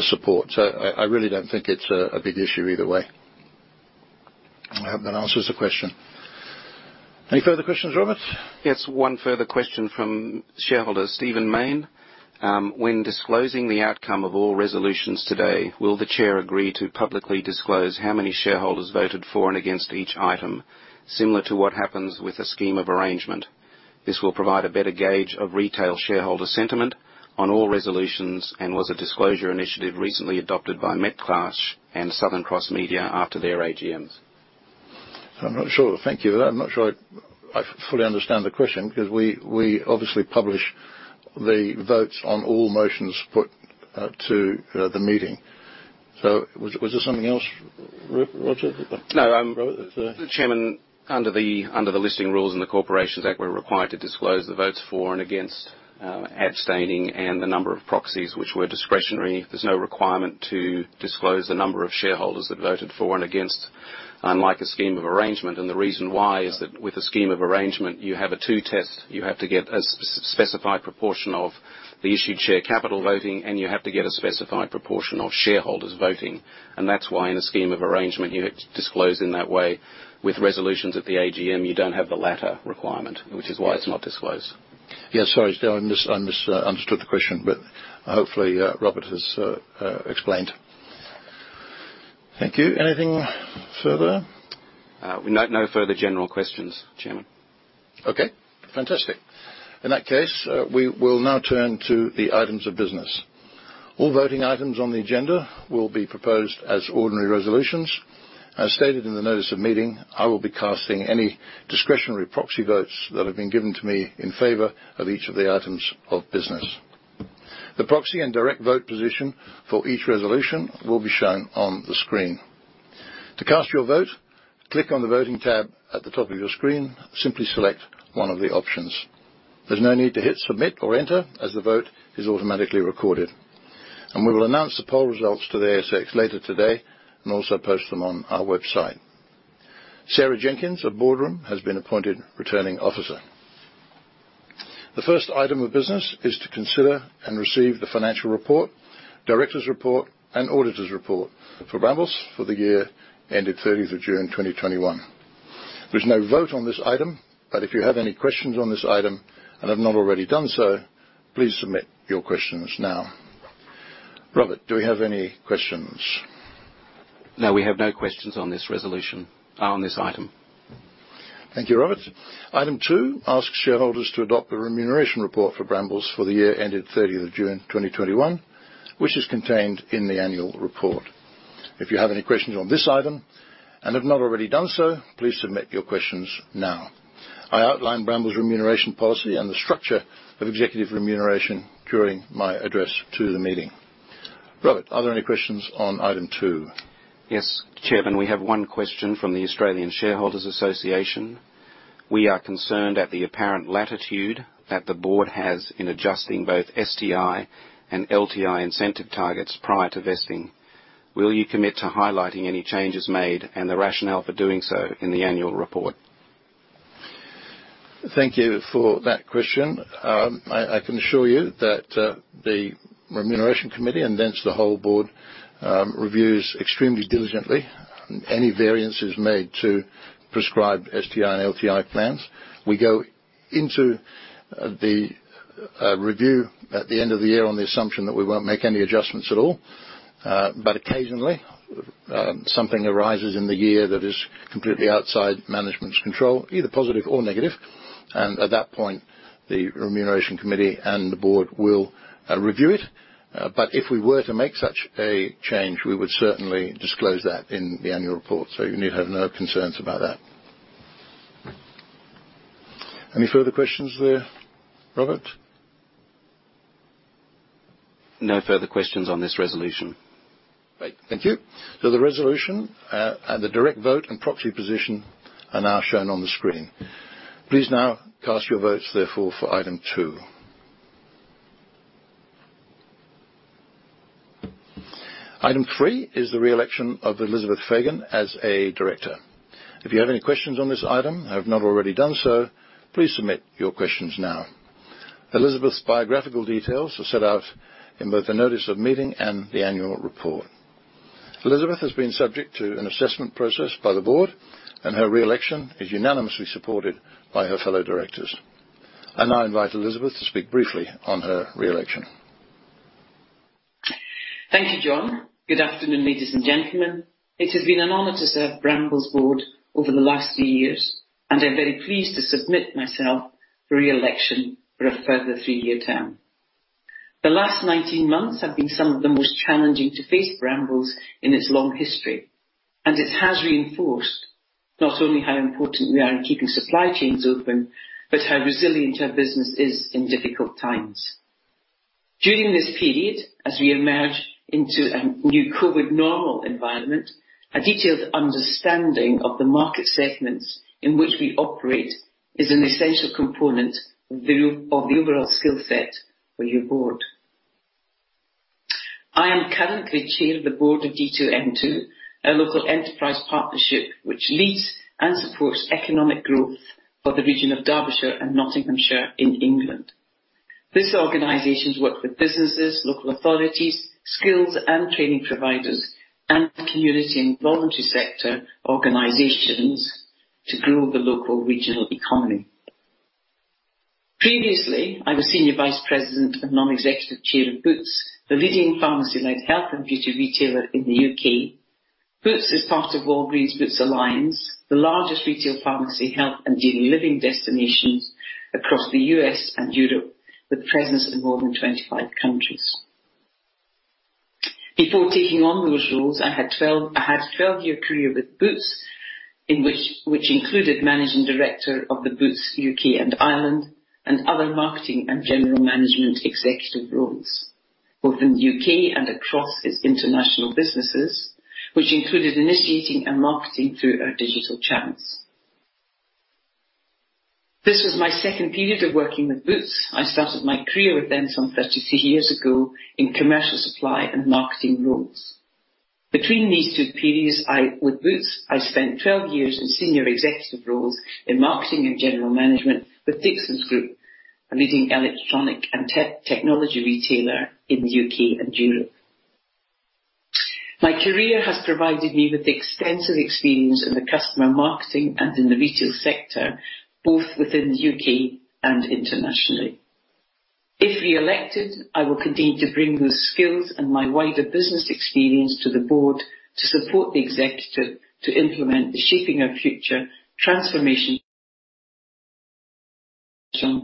support. I really don't think it's a big issue either way. I hope that answers the question. Any further questions, Robert? Yes, one further question from shareholder Stephen Mayne. When disclosing the outcome of all resolutions today, will the Chair agree to publicly disclose how many shareholders voted for and against each item, similar to what happens with a scheme of arrangement? This will provide a better gauge of retail shareholder sentiment on all resolutions and was a disclosure initiative recently adopted by Metcash and Southern Cross Media after their AGMs. Thank you. I'm not sure I fully understand the question because we obviously publish the votes on all motions put to the meeting. Was there something else, Robert? No. Chairman, under the listing rules and the Corporations Act, we're required to disclose the votes for and against, abstaining, and the number of proxies which were discretionary. There's no requirement to disclose the number of shareholders that voted for and against, unlike a scheme of arrangement. The reason why is that with a scheme of arrangement, you have a two-test. You have to get a specified proportion of the issued share capital voting, and you have to get a specified proportion of shareholders voting. That's why in a scheme of arrangement, you disclose in that way. With resolutions at the AGM, you don't have the latter requirement, which is why it's not disclosed. Yes. Sorry. I misunderstood the question, but hopefully, Robert has explained. Thank you. Anything further? No further general questions, Chairman. Okay, fantastic. In that case, we will now turn to the items of business. All voting items on the agenda will be proposed as ordinary resolutions. As stated in the notice of meeting, I will be casting any discretionary proxy votes that have been given to me in favor of each of the items of business. The proxy and direct vote position for each resolution will be shown on the screen. To cast your vote, click on the Voting tab at the top of your screen, simply select one of the options. There's no need to hit submit or enter as the vote is automatically recorded. We will announce the poll results to the ASX later today and also post them on our website. Sarah Jenkins of Boardroom has been appointed Returning Officer. The first item of business is to consider and receive the financial report, Directors Report, and Auditors Report for Brambles for the year ending 30th of June 2021. There's no vote on this item, but if you have any questions on this item and have not already done so, please submit your questions now. Robert, do we have any questions? No, we have no questions on this item. Thank you, Robert. Item two asks shareholders to adopt the remuneration report for Brambles for the year ending 30th of June 2021, which is contained in the annual report. If you have any questions on this item and have not already done so, please submit your questions now. I outlined Brambles' remuneration policy and the structure of executive remuneration during my address to the meeting. Robert, are there any questions on item two? Yes, Chairman, we have one question from the Australian Shareholders' Association. We are concerned at the apparent latitude that the board has in adjusting both STI and LTI incentive targets prior to vesting. Will you commit to highlighting any changes made and the rationale for doing so in the annual report? Thank you for that question. I can assure you that the Remuneration Committee, and thence the whole board, reviews extremely diligently any variances made to prescribe STI and LTI plans. We go into the review at the end of the year on the assumption that we won't make any adjustments at all. Occasionally, something arises in the year that is completely outside management's control, either positive or negative, and at that point, the Remuneration Committee and the board will review it. If we were to make such a change, we would certainly disclose that in the annual report. You need have no concerns about that. Any further questions there, Robert? No further questions on this resolution. Great. Thank you. The resolution, and the direct vote and proxy position are now shown on the screen. Please now cast your votes therefore for item two. Item three is the re-election of Elizabeth Fagan as a director. If you have any questions on this item and have not already done so, please submit your questions now. Elizabeth's biographical details are set out in both the notice of meeting and the annual report. Elizabeth has been subject to an assessment process by the Board, and her re-election is unanimously supported by her fellow directors. I invite Elizabeth to speak briefly on her re-election. Thank you, John. Good afternoon, ladies and gentlemen. It has been an honor to serve Brambles' Board over the last few years, I'm very pleased to submit myself for re-election for a further three-year term. The last 19 months have been some of the most challenging to face Brambles in its long history, it has reinforced not only how important we are in keeping supply chains open, but how resilient our business is in difficult times. During this period, as we emerge into a new COVID-19 normal environment, a detailed understanding of the market segments in which we operate is an essential component of the overall skill set for your Board. I am currently Chair of the Board of D2N2, a local enterprise partnership which leads and supports economic growth for the region of Derbyshire and Nottinghamshire in England. This organization's worked with businesses, local authorities, skills and training providers, and community and voluntary sector organizations to grow the local regional economy. Previously, I was Senior Vice President and Non-Executive Chair of Boots, the leading pharmacy-led health and beauty retailer in the U.K. Boots is part of Walgreens Boots Alliance, the largest retail pharmacy, health, and daily living destinations across the U.S. and Europe, with a presence in more than 25 countries. Before taking on those roles, I had a 12-year career with Boots, which included Managing Director of the Boots U.K. and Ireland, and other marketing and general management executive roles, both in the U.K. and across its international businesses, which included initiating and marketing through our digital channels. This was my second period of working with Boots. I started my career with them some 32 years ago in commercial supply and marketing roles. Between these two periods with Boots, I spent 12 years in senior executive roles in marketing and general management with Dixons Group, a leading electronic and technology retailer in the U.K. and Europe. My career has provided me with extensive experience in the customer marketing and in the retail sector, both within the U.K. and internationally. If reelected, I will continue to bring those skills and my wider business experience to the board to support the executive to implement the Shaping Our Future transformation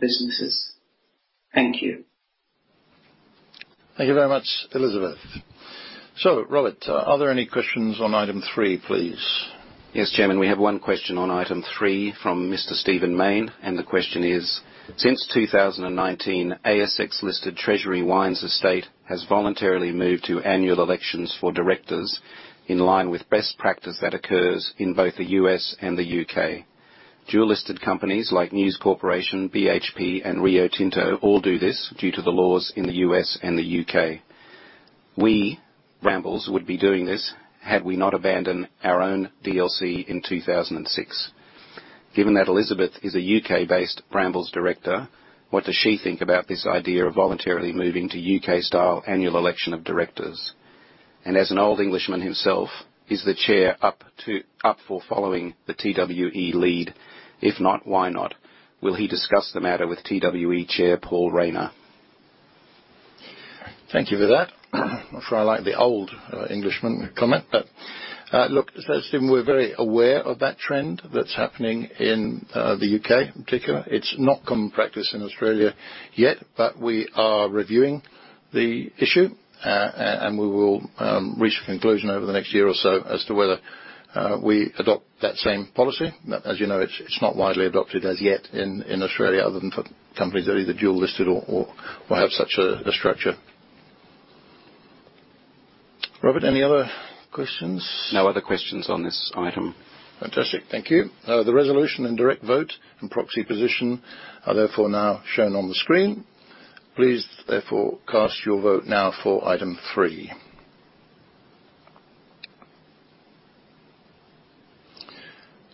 businesses. Thank you. Thank you very much, Elizabeth. Robert, are there any questions on item three, please? Yes, Chairman, we have one question on item three from Mr. Stephen Mayne. The question is: Since 2019, ASX-listed Treasury Wine Estates has voluntarily moved to annual elections for directors in line with best practice that occurs in both the U.S. and the U.K. Dual-listed companies like News Corporation, BHP, and Rio Tinto all do this due to the laws in the U.S. and the U.K. We, Brambles, would be doing this had we not abandoned our own DLC in 2006. Given that Elizabeth is a U.K.-based Brambles director, what does she think about this idea of voluntarily moving to U.K.-style annual election of directors? As an old Englishman himself, is the chair up for following the TWE lead? If not, why not? Will he discuss the matter with TWE Chair, Paul Rayner? Thank you for that. Not sure I like the old Englishman comment. Stephen, we're very aware of that trend that's happening in the U.K. in particular. It's not common practice in Australia yet. We are reviewing the issue, and we will reach a conclusion over the next one year or so as to whether we adopt that same policy. You know, it's not widely adopted as yet in Australia other than for companies that are either dual listed or have such a structure. Robert, any other questions? No other questions on this item. Fantastic. Thank you. The resolution and direct vote and proxy position are therefore now shown on the screen. Please therefore, cast your vote now for item three.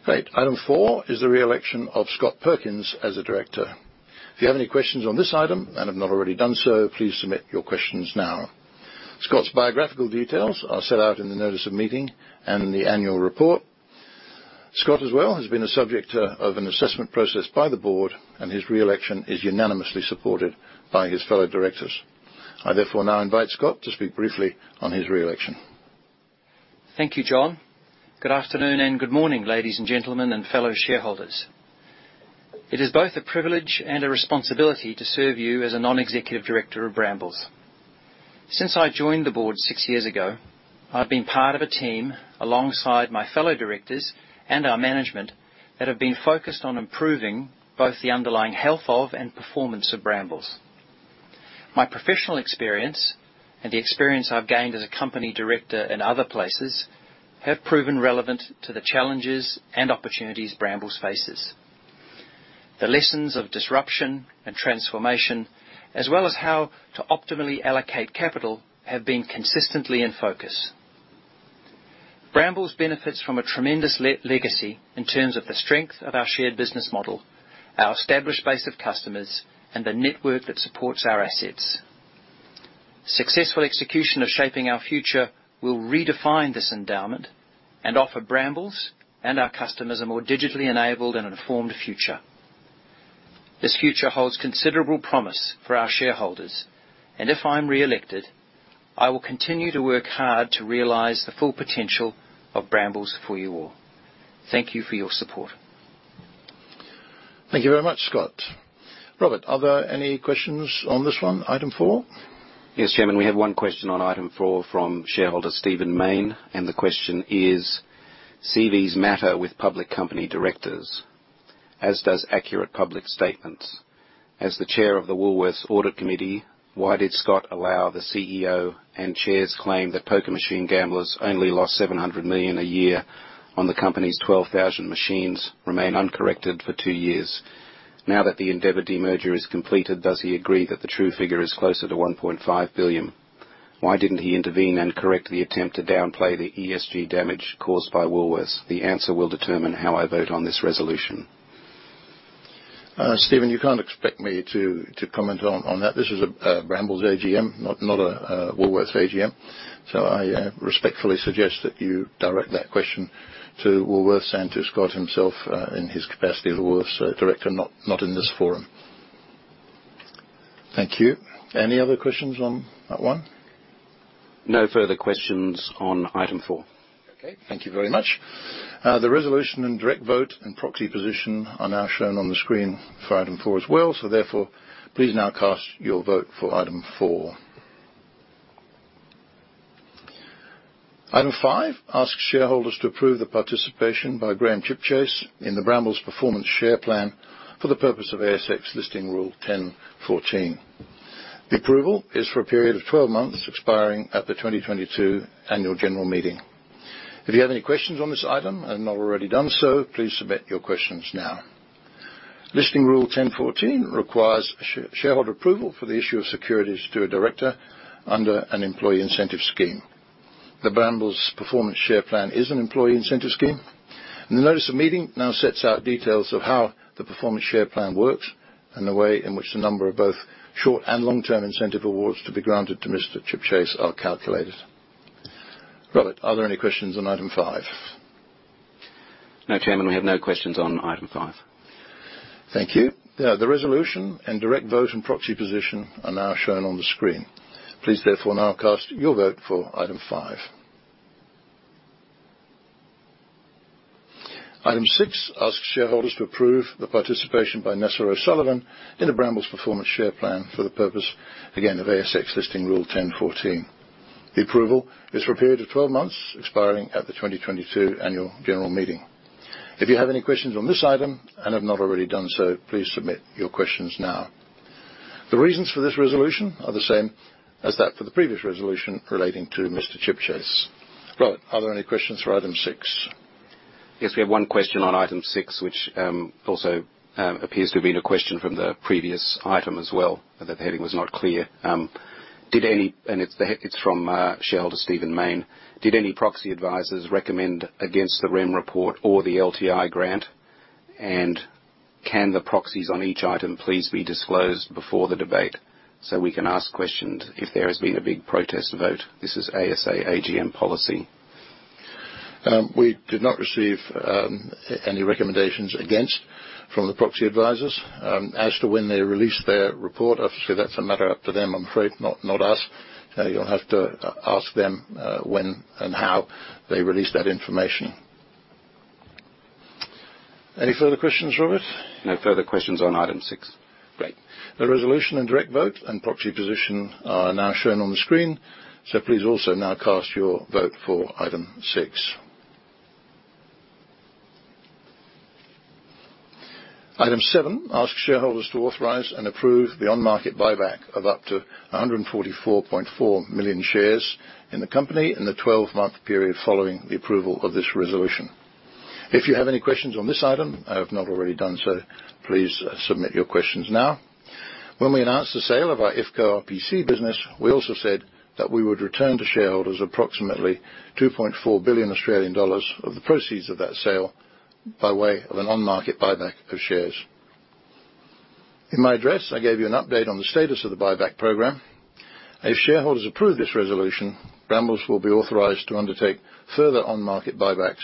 Great. Item four is the reelection of Scott Perkins as a director. If you have any questions on this item and have not already done so, please submit your questions now. Scott's biographical details are set out in the notice of meeting and in the annual report. Scott as well has been a subject of an assessment process by the board, and his reelection is unanimously supported by his fellow directors. I therefore now invite Scott to speak briefly on his reelection. Thank you, John. Good afternoon and good morning, ladies and gentlemen, and fellow shareholders. It is both a privilege and a responsibility to serve you as a non-executive director of Brambles. Since I joined the board six years ago, I've been part of a team alongside my fellow directors and our management that have been focused on improving both the underlying health of and performance of Brambles. My professional experience and the experience I've gained as a company director in other places have proven relevant to the challenges and opportunities Brambles faces. The lessons of disruption and transformation, as well as how to optimally allocate capital, have been consistently in focus. Brambles benefits from a tremendous legacy in terms of the strength of our shared business model, our established base of customers, and the network that supports our assets. Successful execution of Shaping Our Future will redefine this endowment and offer Brambles and our customers a more digitally enabled and informed future. This future holds considerable promise for our shareholders. If I'm reelected, I will continue to work hard to realize the full potential of Brambles for you all. Thank you for your support. Thank you very much, Scott. Robert, are there any questions on this one, item four? Yes, Chairman, we have one question on item four from shareholder Stephen Mayne, and the question is: CVs matter with public company directors, as does accurate public statements. As the chair of the Woolworths Audit Committee, why did Scott allow the CEO and chair's claim that poker machine gamblers only lost 700 million a year on the company's 12,000 machines remain uncorrected for two years? Now that the Endeavour demerger is completed, does he agree that the true figure is closer to 1.5 billion? Why didn't he intervene and correct the attempt to downplay the ESG damage caused by Woolworths? The answer will determine how I vote on this resolution. Stephen, you can't expect me to comment on that. This is a Brambles AGM, not a Woolworths AGM. I respectfully suggest that you direct that question to Woolworths and to Scott himself in his capacity as a Woolworths director, not in this forum. Thank you. Any other questions on that one? No further questions on item four. Okay. Thank you very much. The resolution and direct vote and proxy position are now shown on the screen for item four as well. Therefore, please now cast your vote for item four. Item five asks shareholders to approve the participation by Graham Chipchase in the Brambles Performance Share Plan for the purpose of ASX Listing Rule 10.14. The approval is for a period of 12 months, expiring at the 2022 annual general meeting. If you have any questions on this item and have not already done so, please submit your questions now. Listing Rule 10.14 requires shareholder approval for the issue of securities to a director under an employee incentive scheme. The Brambles Performance Share Plan is an employee incentive scheme. The notice of meeting now sets out details of how the performance share plan works and the way in which the number of both short and long-term incentive awards to be granted to Mr. Chipchase are calculated. Robert, are there any questions on item five? No, Chairman, we have no questions on item five. Thank you. The resolution and direct vote and proxy position are now shown on the screen. Please therefore now cast your vote for item five. Item six asks shareholders to approve the participation by Nessa O'Sullivan in a Brambles Performance Share Plan for the purpose, again, of ASX Listing Rule 10.14. The approval is for a period of 12 months, expiring at the 2022 annual general meeting. If you have any questions on this item and have not already done so, please submit your questions now. The reasons for this resolution are the same as that for the previous resolution relating to Mr. Chipchase. Robert, are there any questions for item six? Yes, we have one question on item six, which also appears to have been a question from the previous item as well, that the heading was not clear. It's from shareholder Stephen Mayne. Did any proxy advisors recommend against the REM report or the LTI grant? Can the proxies on each item please be disclosed before the debate so we can ask questions if there has been a big protest vote? This is ASA AGM policy. We did not receive any recommendations against from the proxy advisors. As to when they release their report, obviously, that's a matter up to them, I'm afraid, not us. You'll have to ask them when and how they release that information. Any further questions, Robert? No further questions on item six. Great. The resolution and direct vote and proxy position are now shown on the screen. Please also now cast your vote for item six. Item seven asks shareholders to authorize and approve the on-market buyback of up to 144.4 million shares in the company in the 12-month period following the approval of this resolution. If you have any questions on this item and have not already done so, please submit your questions now. When we announced the sale of our IFCO RPC business, we also said that we would return to shareholders approximately 2.4 billion Australian dollars of the proceeds of that sale by way of an on-market buyback of shares. In my address, I gave you an update on the status of the buyback program. If shareholders approve this resolution, Brambles will be authorized to undertake further on-market buybacks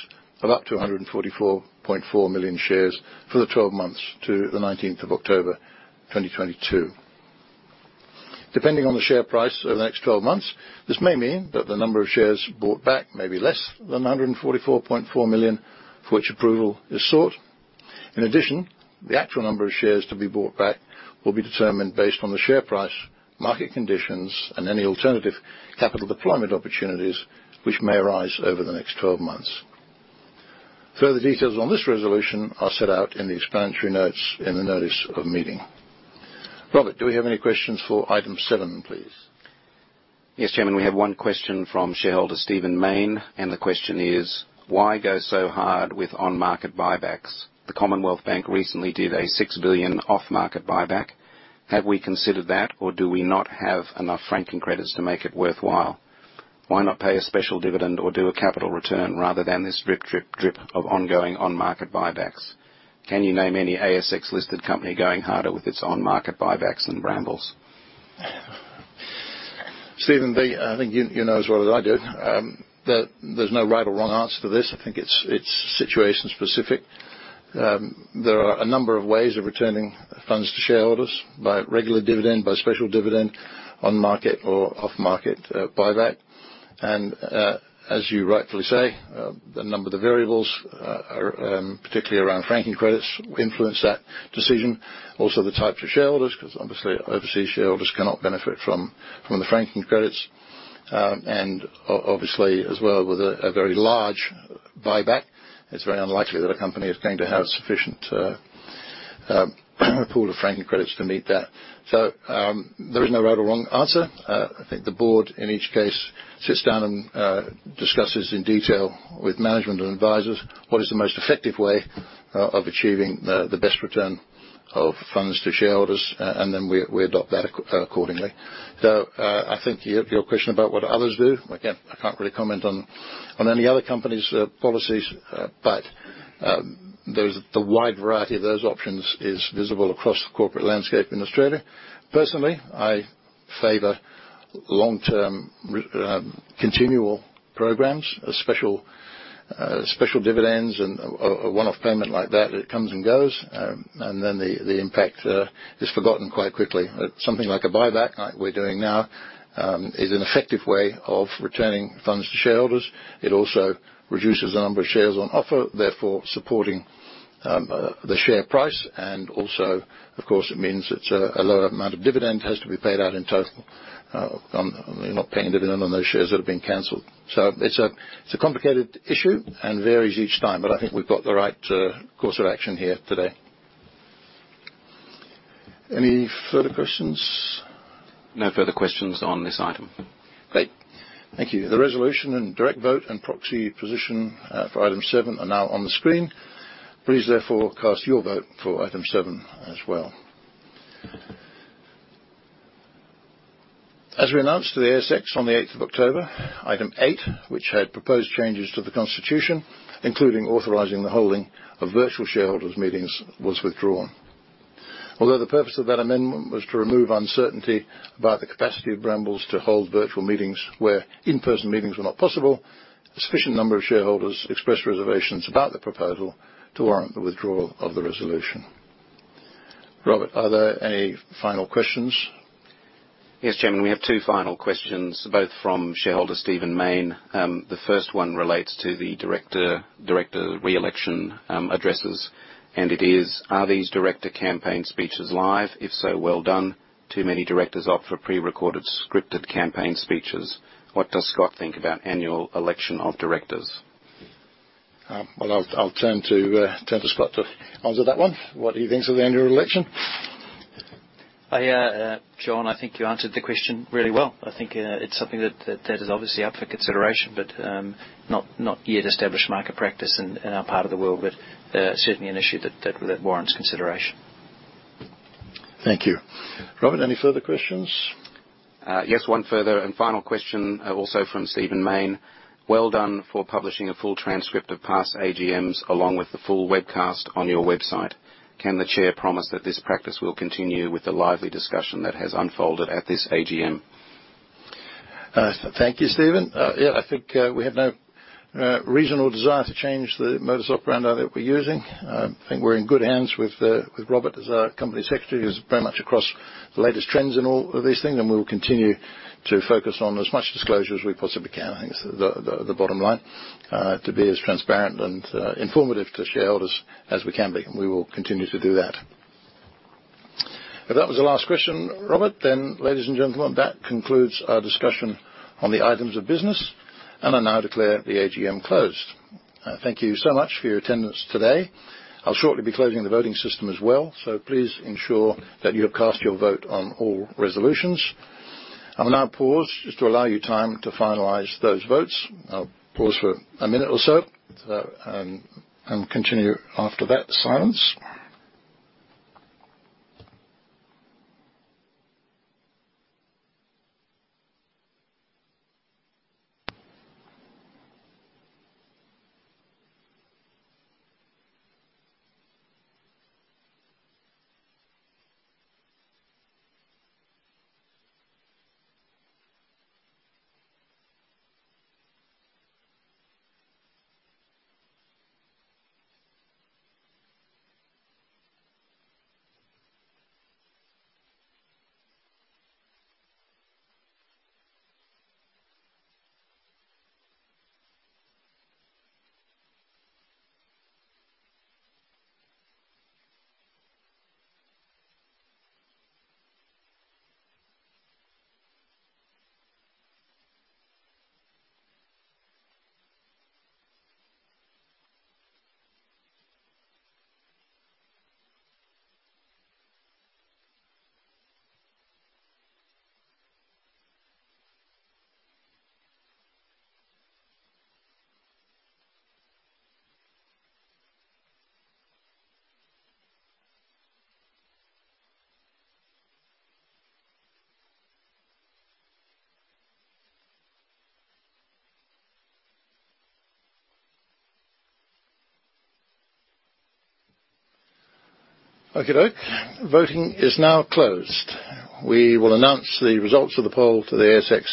of up to 144.4 million shares for the 12 months to the 19th of October 2022. Depending on the share price over the next 12 months, this may mean that the number of shares bought back may be less than 144.4 million, for which approval is sought. In addition, the actual number of shares to be bought back will be determined based on the share price, market conditions, and any alternative capital deployment opportunities which may arise over the next 12 months. Further details on this resolution are set out in the explanatory notes in the notice of meeting. Robert, do we have any questions for item seven, please? Yes, Chairman, we have one question from shareholder Stephen Mayne, and the question is why go so hard with on-market buybacks? The Commonwealth Bank recently did an 6 billion off-market buyback. Have we considered that, or do we not have enough franking credits to make it worthwhile? Why not pay a special dividend or do a capital return rather than this drip, drip of ongoing on-market buybacks? Can you name any ASX-listed company going harder with its on-market buybacks than Brambles? Stephen, I think you know as well as I do that there's no right or wrong answer to this. I think it's situation specific. There are a number of ways of returning funds to shareholders by regular dividend, by special dividend, on-market or off-market buyback. As you rightfully say, a number of the variables, particularly around franking credits, influence that decision. Also, the types of shareholders, because obviously overseas shareholders cannot benefit from the franking credits. Obviously, as well, with a very large buyback, it's very unlikely that a company is going to have a sufficient pool of franking credits to meet that. There is no right or wrong answer. I think the board, in each case, sits down and discusses in detail with management and advisors what is the most effective way of achieving the best return of funds to shareholders, and then we adopt that accordingly. I think your question about what others do, again, I can't really comment on any other company's policies, but the wide variety of those options is visible across the corporate landscape in Australia. Personally, I favor long-term continual programs. Special dividends and a one-off payment like that, it comes and goes. The impact is forgotten quite quickly. Something like a buyback, like we're doing now, is an effective way of returning funds to shareholders. It also reduces the number of shares on offer, therefore supporting the share price. Also, of course, it means it's a lower amount of dividend has to be paid out in total. You're not paying dividend on those shares that have been canceled. It's a complicated issue and varies each time, but I think we've got the right course of action here today. Any further questions? No further questions on this item. Great. Thank you. The resolution and direct vote and proxy position for item seven are now on the screen. Please therefore cast your vote for item seven as well. As we announced to the ASX on the 8th of October, item eight, which had proposed changes to the constitution, including authorizing the holding of virtual shareholders' meetings, was withdrawn. Although the purpose of that amendment was to remove uncertainty about the capacity of Brambles to hold virtual meetings where in-person meetings were not possible, a sufficient number of shareholders expressed reservations about the proposal to warrant the withdrawal of the resolution. Robert, are there any final questions? Yes, Chairman, we have two final questions, both from shareholder Stephen Mayne. The first one relates to the director re-election addresses, it is: Are these director campaign speeches live? If so, well done. Too many directors opt for prerecorded, scripted campaign speeches. What does Scott think about annual election of directors? Well, I'll turn to Scott to answer that one, what he thinks of the annual election. John, I think you answered the question really well. I think it's something that is obviously up for consideration, but not yet established market practice in our part of the world, but certainly an issue that warrants consideration. Thank you. Robert, any further questions? Yes, one further and final question, also from Stephen Mayne. Well done for publishing a full transcript of past AGMs along with the full webcast on your website. Can the chair promise that this practice will continue with the lively discussion that has unfolded at this AGM? Thank you, Stephen. I think we have no reason or desire to change the modus operandi that we're using. I think we're in good hands with Robert Gerrard as our Company Secretary, who's very much across the latest trends in all of these things, and we will continue to focus on as much disclosure as we possibly can. I think that's the bottom line. To be as transparent and informative to shareholders as we can be, and we will continue to do that. If that was the last question, Robert, then ladies and gentlemen, that concludes our discussion on the items of business, and I now declare the AGM closed. Thank you so much for your attendance today. I'll shortly be closing the voting system as well, so please ensure that you have cast your vote on all resolutions. I will now pause just to allow you time to finalize those votes. I'll pause for a minute or so and continue after that silence. Okey-doke. Voting is now closed. We will announce the results of the poll to the ASX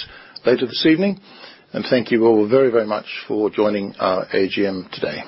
later this evening. Thank you all very, very much for joining our AGM today.